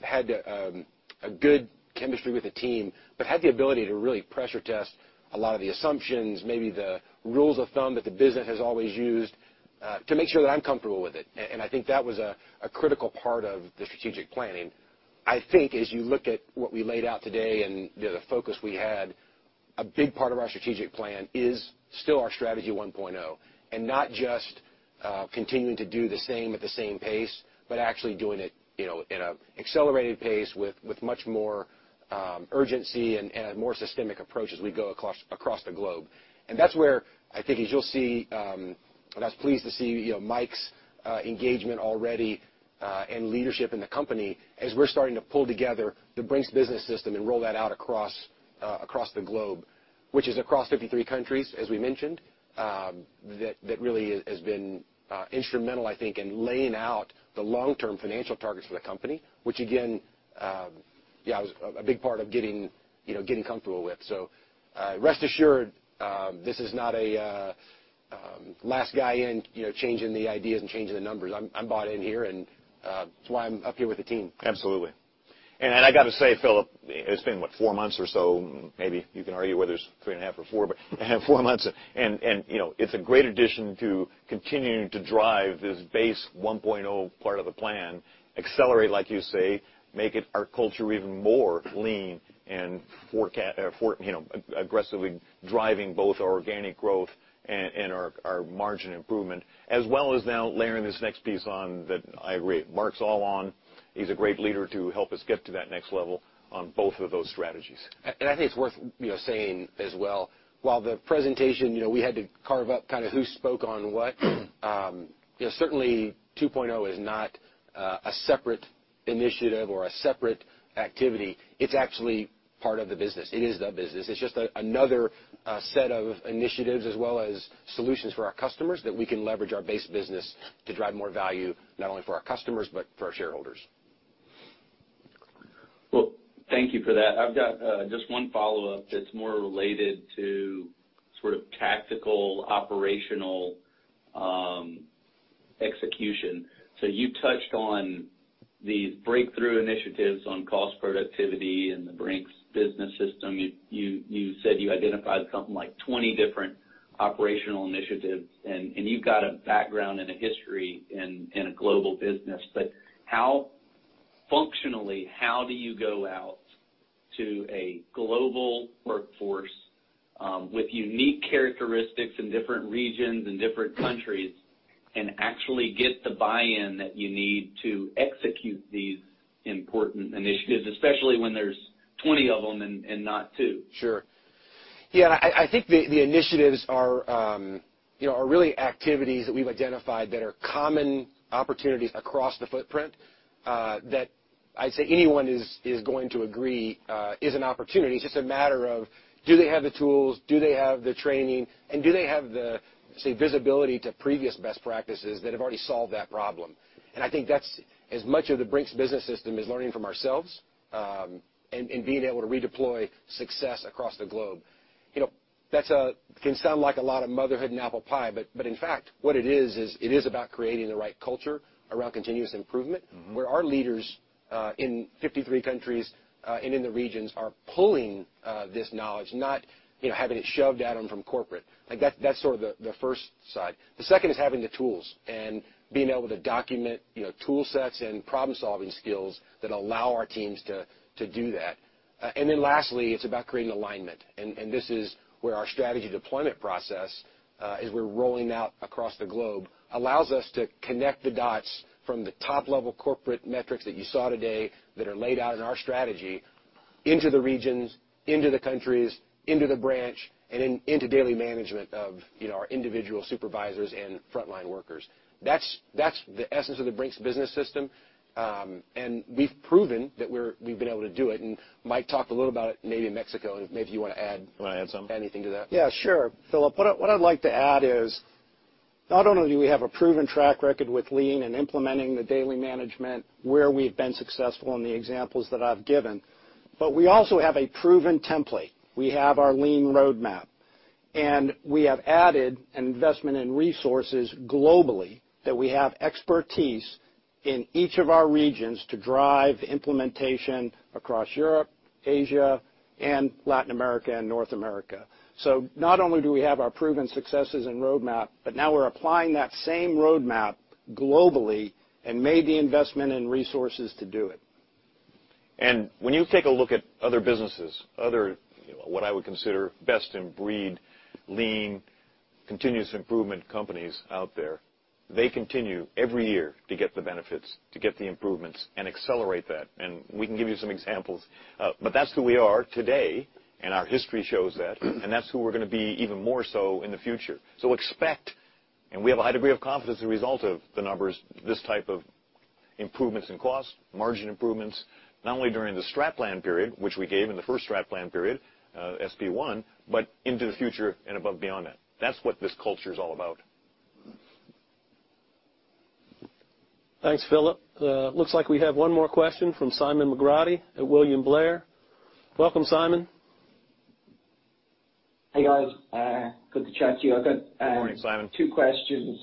had a good chemistry with the team, but had the ability to really pressure test a lot of the assumptions, maybe the rules of thumb that the business has always used, to make sure that I'm comfortable with it. I think that was a critical part of the Strategic Planning. I think as you look at what we laid out today and the focus we had, a big part of our Strategic Plan is still our Strategy 1.0, and not just continuing to do the same at the same pace, but actually doing it, you know, at an accelerated pace with much more urgency and a more systemic approach as we go across the globe. That's where I think as you'll see, and I was pleased to see, you know, Mike's engagement already, and leadership in the company as we're starting to pull together the Brink's Business System and roll that out across the globe, which is across 53 countries, as we mentioned, that really has been instrumental, I think, in laying out the long-term financial targets for the company, which again, yeah, I was a big part of getting comfortable with. Rest assured, this is not a last guy in, you know, changing the ideas and changing the numbers. I'm bought in here, and that's why I'm up here with the team. Absolutely. I gotta say, Phillip, it's been, what, four months or so, maybe you can argue whether it's three and a half or four, but I have four months, and you know, it's a great addition to continuing to drive this phase 1.0 part of the plan, accelerate, like you say, make it our culture even more lean and for, you know, aggressively driving both our organic growth and our margin improvement, as well as now layering this next piece on that. I agree, Mark's all in on. He's a great leader to help us get to that next level on both of those strategies. I think it's worth, you know, saying as well, while the presentation, you know, we had to carve up kinda who spoke on what, certainly 2.0 is not a separate initiative or a separate activity. It's actually part of the business. It is the business. It's just another set of initiatives as well as solutions for our customers that we can leverage our base business to drive more value, not only for our customers, but for our shareholders. Well, thank you for that. I've got just one follow-up that's more related to sort of tactical operational execution. You touched on these breakthrough initiatives on cost productivity and the Brink's Business System. You said you identified something like 20 different operational initiatives, and you've got a background and a history in a global business. Functionally, how do you go out to a global workforce with unique characteristics in different regions and different countries and actually get the buy-in that you need to execute these important initiatives, especially when there's 20 of them and not two? Sure. Yeah. I think the initiatives are, you know, really activities that we've identified that are common opportunities across the footprint, that I'd say anyone is going to agree is an opportunity. It's just a matter of, do they have the tools, do they have the training, and do they have the visibility to previous best practices that have already solved that problem. I think that's as much of the Brink's Business System is learning from ourselves, and being able to redeploy success across the globe. You know, that can sound like a lot of motherhood and apple pie, but in fact, what it is it is about creating the right culture around continuous improvement. Mm-hmm. Where our leaders in 53 countries and in the regions are pulling this knowledge, not you know having it shoved at them from corporate. Like, that's sort of the first side. The second is having the tools and being able to document you know tool sets and problem-solving skills that allow our teams to do that. Lastly, it's about creating alignment. This is where our strategy deployment process as we're rolling out across the globe allows us to connect the dots from the top-level corporate metrics that you saw today that are laid out in our strategy into the regions, into the countries, into the branch, and into daily management of you know our individual supervisors and frontline workers. That's the essence of the Brink's Business System. We've proven that we've been able to do it, and Mike talked a little about it in maybe Mexico. Maybe you wanna add- You wanna add something? Anything to that. Yeah, sure. Phillip, what I'd like to add is, not only do we have a proven track record with Lean and implementing the daily management where we've been successful in the examples that I've given, but we also have a proven template. We have our Lean roadmap. We have added an investment in resources globally, that we have expertise in each of our regions to drive implementation across Europe, Asia, and Latin America and North America. Not only do we have our proven successes and roadmap, but now we're applying that same roadmap globally and made the investment and resources to do it. When you take a look at other businesses, you know, what I would consider best-in-breed, lean, continuous improvement companies out there, they continue every year to get the benefits, to get the improvements and accelerate that. We can give you some examples. That's who we are today, and our history shows that, and that's who we're gonna be even more so in the future. Expect, and we have a high degree of confidence as a result of the numbers, this type of improvements in cost, margin improvements, not only during the Strat Plan period, which we gave in the first Strat Plan period, SP1, but into the future and above beyond that. That's what this culture is all about. Thanks, Philip. Looks like we have one more question from Simon McGrotty at William Blair. Welcome, Simon. Hey, guys. Good to chat to you. I've got. Good morning, Simon. Two questions.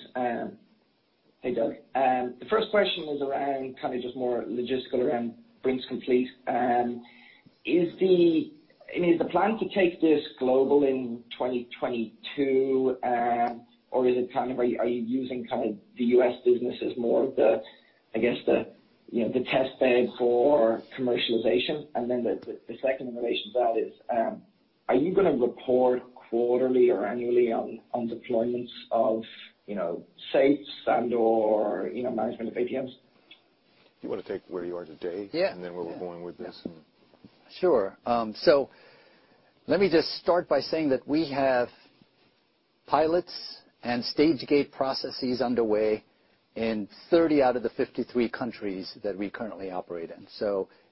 Hey, Doug. The first question is around kinda just more logistical around Brink's Complete. Is the plan to take this global in 2022, or is it kind of, are you using kind of the U.S. business as more of the, I guess the, you know, the test bed for commercialization? The second in relation to that is, are you gonna report quarterly or annually on deployments of, you know, safes and/or, you know, management of ATMs? Do you wanna take where you are today? Yeah. Where we're going with this? Sure. So let me just start by saying that we have pilots and stage gate processes underway in 30 out of the 53 countries that we currently operate in.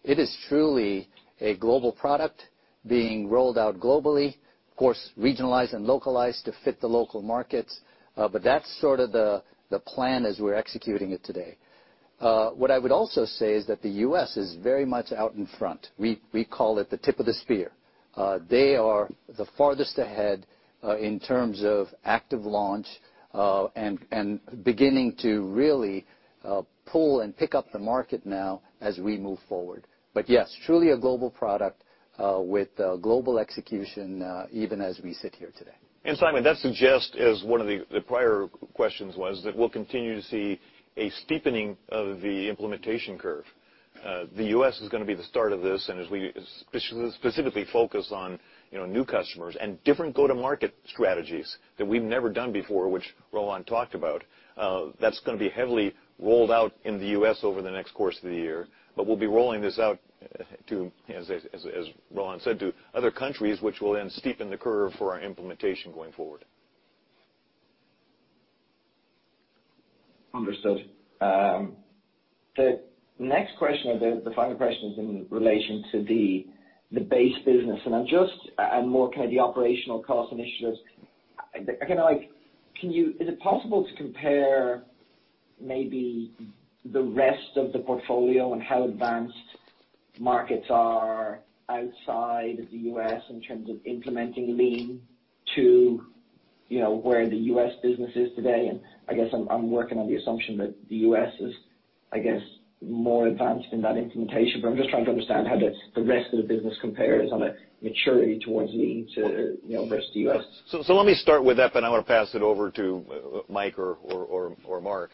It is truly a global product being rolled out globally, of course, regionalized and localized to fit the local markets. But that's sort of the plan as we're executing it today. What I would also say is that the U.S. is very much out in front. We call it the tip of the spear. They are the farthest ahead in terms of active launch and beginning to really pull and pick up the market now as we move forward. Yes, truly a global product with global execution even as we sit here today. Simon, that suggests, as one of the prior questions was, that we'll continue to see a steepening of the implementation curve. The U.S. is gonna be the start of this, and as we specifically focus on, you know, new customers and different go-to-market strategies that we've never done before, which Rohan talked about, that's gonna be heavily rolled out in the U.S. over the next course of the year. We'll be rolling this out to, as Rohan said, to other countries, which will then steepen the curve for our implementation going forward. Understood. The next question or the final question is in relation to the base business, and more kinda the operational cost initiatives. Again, like, is it possible to compare maybe the rest of the portfolio and how advanced markets are outside of the U.S. in terms of implementing lean to, you know, where the U.S. business is today? I guess I'm working on the assumption that the U.S. is, I guess, more advanced in that implementation. I'm just trying to understand how the rest of the business compares on a maturity towards lean to, you know, versus the U.S. Let me start with that, but I want to pass it over to Mike or Mark.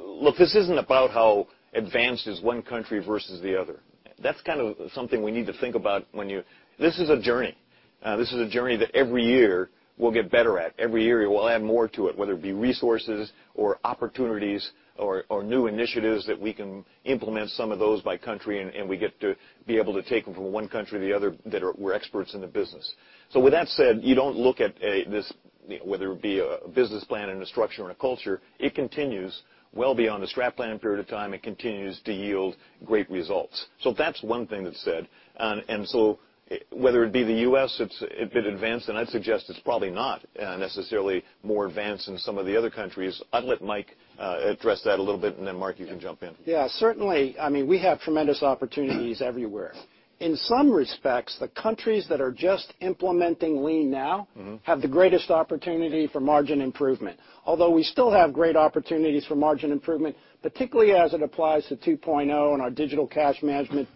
Look, this isn't about how advanced is one country versus the other. That's kind of something we need to think about. This is a journey that every year we'll get better at. Every year, we'll add more to it, whether it be resources or opportunities or new initiatives that we can implement some of those by country, and we get to be able to take them from one country to the other that are. We're experts in the business. With that said, you don't look at this, you know, whether it be a business plan and a structure and a culture, it continues well beyond the Strat Plan period of time. It continues to yield great results. That's one thing that's said. Whether it be the U.S., it's advanced, and I'd suggest it's probably not necessarily more advanced than some of the other countries. I'd let Mike address that a little bit, and then Mark, you can jump in. Yeah, certainly. I mean, we have tremendous opportunities everywhere. In some respects, the countries that are just implementing lean now. Mm-hmm. We have the greatest opportunity for margin improvement. Although we still have great opportunities for margin improvement, particularly as it applies to 2.0 and our digital cash management,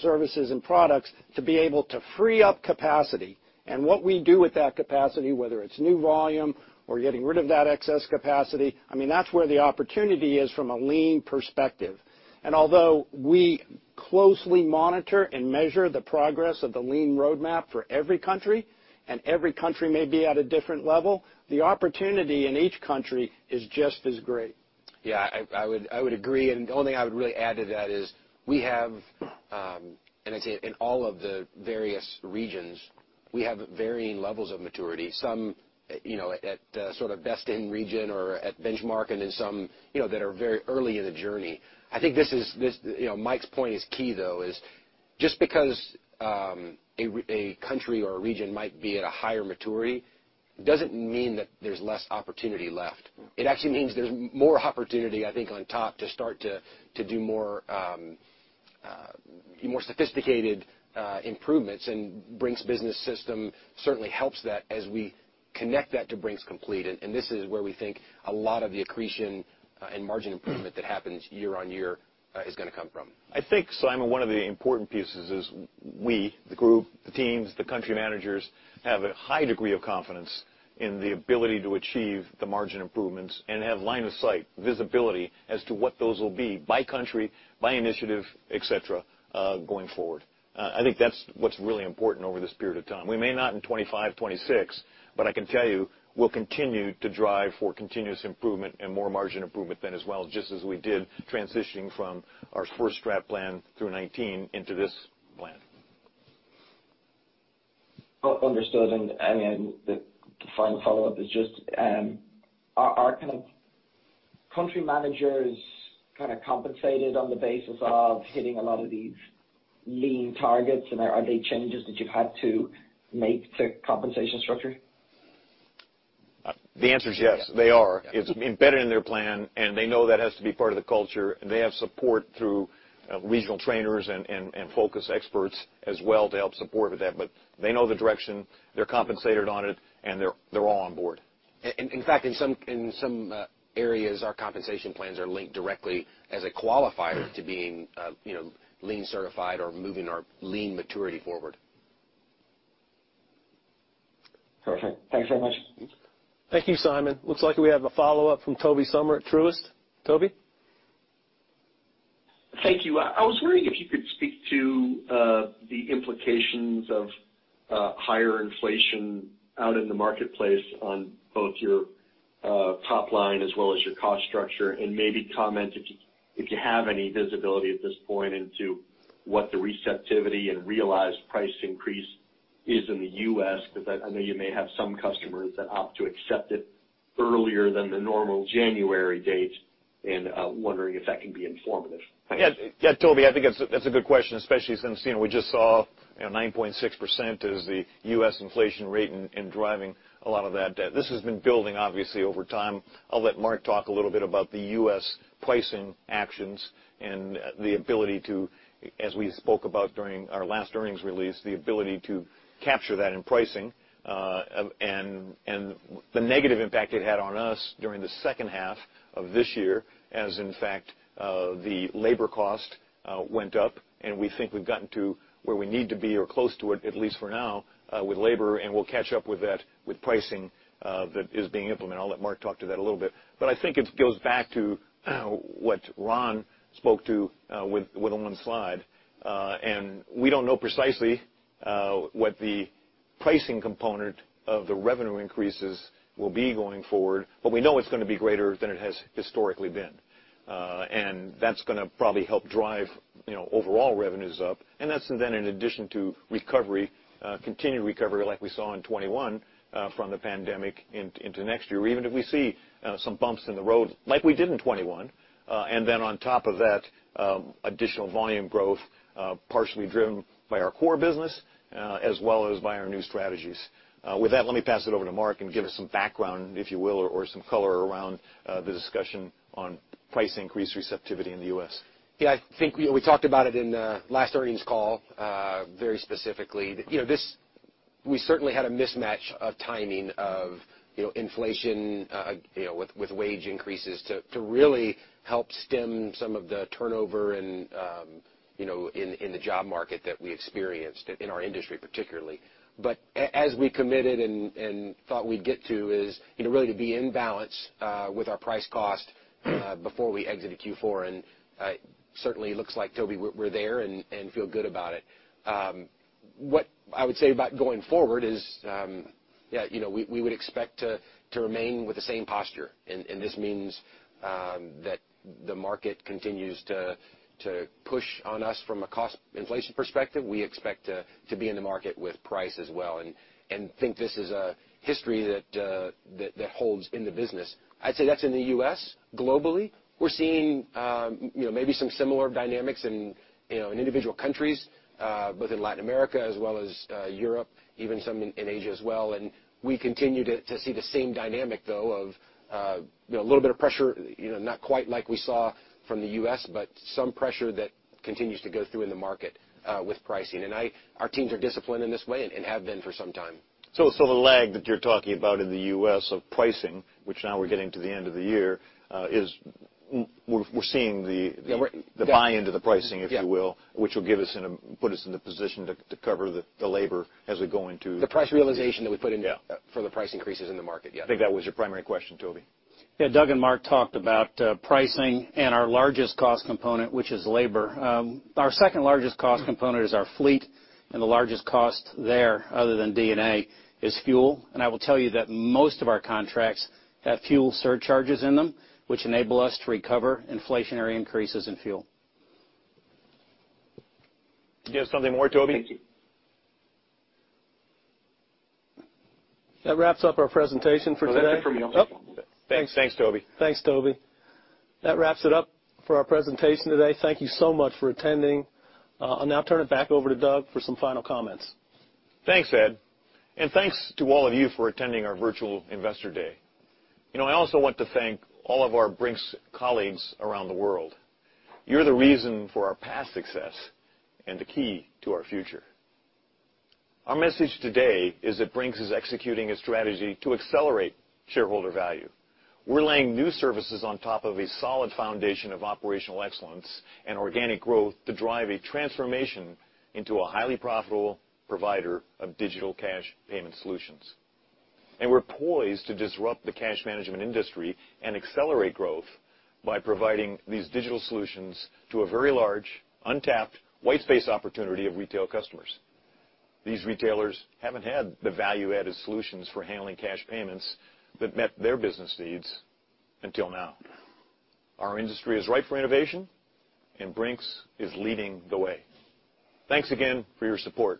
services and products to be able to free up capacity. What we do with that capacity, whether it's new volume or getting rid of that excess capacity, I mean, that's where the opportunity is from a lean perspective. Although we closely monitor and measure the progress of the lean roadmap for every country, and every country may be at a different level, the opportunity in each country is just as great. Yeah, I would agree. The only thing I would really add to that is we have, and I'd say in all of the various regions, we have varying levels of maturity. Some, you know, at sort of best in region or at benchmark, and then some, you know, that are very early in the journey. I think this, you know, Mike's point is key, though, is just because a country or a region might be at a higher maturity doesn't mean that there's less opportunity left. It actually means there's more opportunity, I think, on top to start to do more sophisticated improvements. Brink's Business System certainly helps that as we connect that to Brink's Complete. This is where we think a lot of the accretion and margin improvement that happens year-on-year is gonna come from. I think, Simon, one of the important pieces is we, the group, the teams, the country managers, have a high degree of confidence in the ability to achieve the margin improvements and have line of sight, visibility as to what those will be by country, by initiative, et cetera, going forward. I think that's what's really important over this period of time. We may not in 2025, 2026, but I can tell you we'll continue to drive for continuous improvement and more margin improvement then as well, just as we did transitioning from our first Strat Plan through 2019 into this plan. Understood. Then the final follow-up is just, are kind of country managers kinda compensated on the basis of hitting a lot of these lean targets, and are they changes that you've had to make to compensation structure? The answer is yes, they are. It's embedded in their plan, and they know that has to be part of the culture. They have support through regional trainers and focus experts as well to help support with that. They know the direction, they're compensated on it, and they're all on board. In fact, in some areas, our compensation plans are linked directly as a qualifier to being, you know, lean certified or moving our lean maturity forward. Perfect. Thank you so much. Thank you, Simon. Looks like we have a follow-up from Tobey Sommer at Truist. Tobey? Thank you. I was wondering if you could speak to the implications of higher inflation out in the marketplace on both your top line as well as your cost structure, and maybe comment if you have any visibility at this point into what the receptivity and realized price increase is in the U.S., 'cause I know you may have some customers that opt to accept it earlier than the normal January date, and wondering if that can be informative. Yeah. Yeah, Tobey, I think that's a good question, especially since, you know, we just saw, you know, 9.6% is the U.S. inflation rate and driving a lot of that demand. This has been building obviously over time. I'll let Mark talk a little bit about the U.S. pricing actions and the ability to, as we spoke about during our last earnings release, the ability to capture that in pricing, and the negative impact it had on us during the second half of this year, as in fact, the labor cost went up. We think we've gotten to where we need to be or close to it, at least for now, with labor, and we'll catch up with that with pricing, that is being implemented. I'll let Mark talk to that a little bit. I think it goes back to what Ron spoke to on one slide. We don't know precisely what the pricing component of the revenue increases will be going forward, but we know it's gonna be greater than it has historically been. That's gonna probably help drive, you know, overall revenues up, and that's then in addition to recovery, continued recovery like we saw in 2021 from the pandemic into next year. Even if we see some bumps in the road, like we did in 2021, and then on top of that, additional volume growth, partially driven by our core business, as well as by our new strategies. With that, let me pass it over to Mark, and give us some background, if you will, or some color around the discussion on price increase receptivity in the U.S. Yeah, I think we talked about it in last earnings call very specifically. You know, this we certainly had a mismatch of timing of you know, inflation you know, with wage increases to really help stem some of the turnover and you know, in the job market that we experienced in our industry particularly. As we committed and thought we'd get to is you know, really to be in balance with our price cost before we exited Q4, and certainly looks like, Tobey, we're there and feel good about it. What I would say about going forward is yeah, you know, we would expect to remain with the same posture. This means that the market continues to push on us from a cost inflation perspective. We expect to be in the market with price as well and think this is a history that holds in the business. I'd say that's in the U.S. Globally, we're seeing you know, maybe some similar dynamics in you know, in individual countries both in Latin America, as well as Europe, even some in Asia as well. We continue to see the same dynamic, though, of you know, a little bit of pressure, you know, not quite like we saw from the U.S., but some pressure that continues to go through in the market with pricing. Our teams are disciplined in this way and have been for some time. The lag that you're talking about in the U.S. of pricing, which now we're getting to the end of the year, is we're seeing the Yeah, we're The buy-in to the pricing. Yeah ...if you will, which will give us put us in the position to cover the labor as we go into the- The price realization that we put into- Yeah for the price increases in the market, yeah. I think that was your primary question, Tobey. Yeah, Doug and Mark talked about pricing and our largest cost component, which is labor. Our second largest cost component is our fleet, and the largest cost there, other than D&A, is fuel. I will tell you that most of our contracts have fuel surcharges in them, which enable us to recover inflationary increases in fuel. You have something more, Tobey? Thank you. That wraps up our presentation for today. Well, that's it from me. Thanks. Thanks, Tobey. Thanks, Tobey. That wraps it up for our presentation today. Thank you so much for attending. I'll now turn it back over to Doug for some final comments. Thanks, Ed. Thanks to all of you for attending our virtual Investor Day. You know, I also want to thank all of our Brink's colleagues around the world. You're the reason for our past success and the key to our future. Our message today is that Brink's is executing a strategy to accelerate shareholder value. We're laying new services on top of a solid foundation of operational excellence and organic growth to drive a transformation into a highly profitable provider of digital cash payment solutions. We're poised to disrupt the cash management industry and accelerate growth by providing these digital solutions to a very large, untapped, white space opportunity of retail customers. These retailers haven't had the value-added solutions for handling cash payments that met their business needs until now. Our industry is ripe for innovation, and Brink's is leading the way. Thanks again for your support.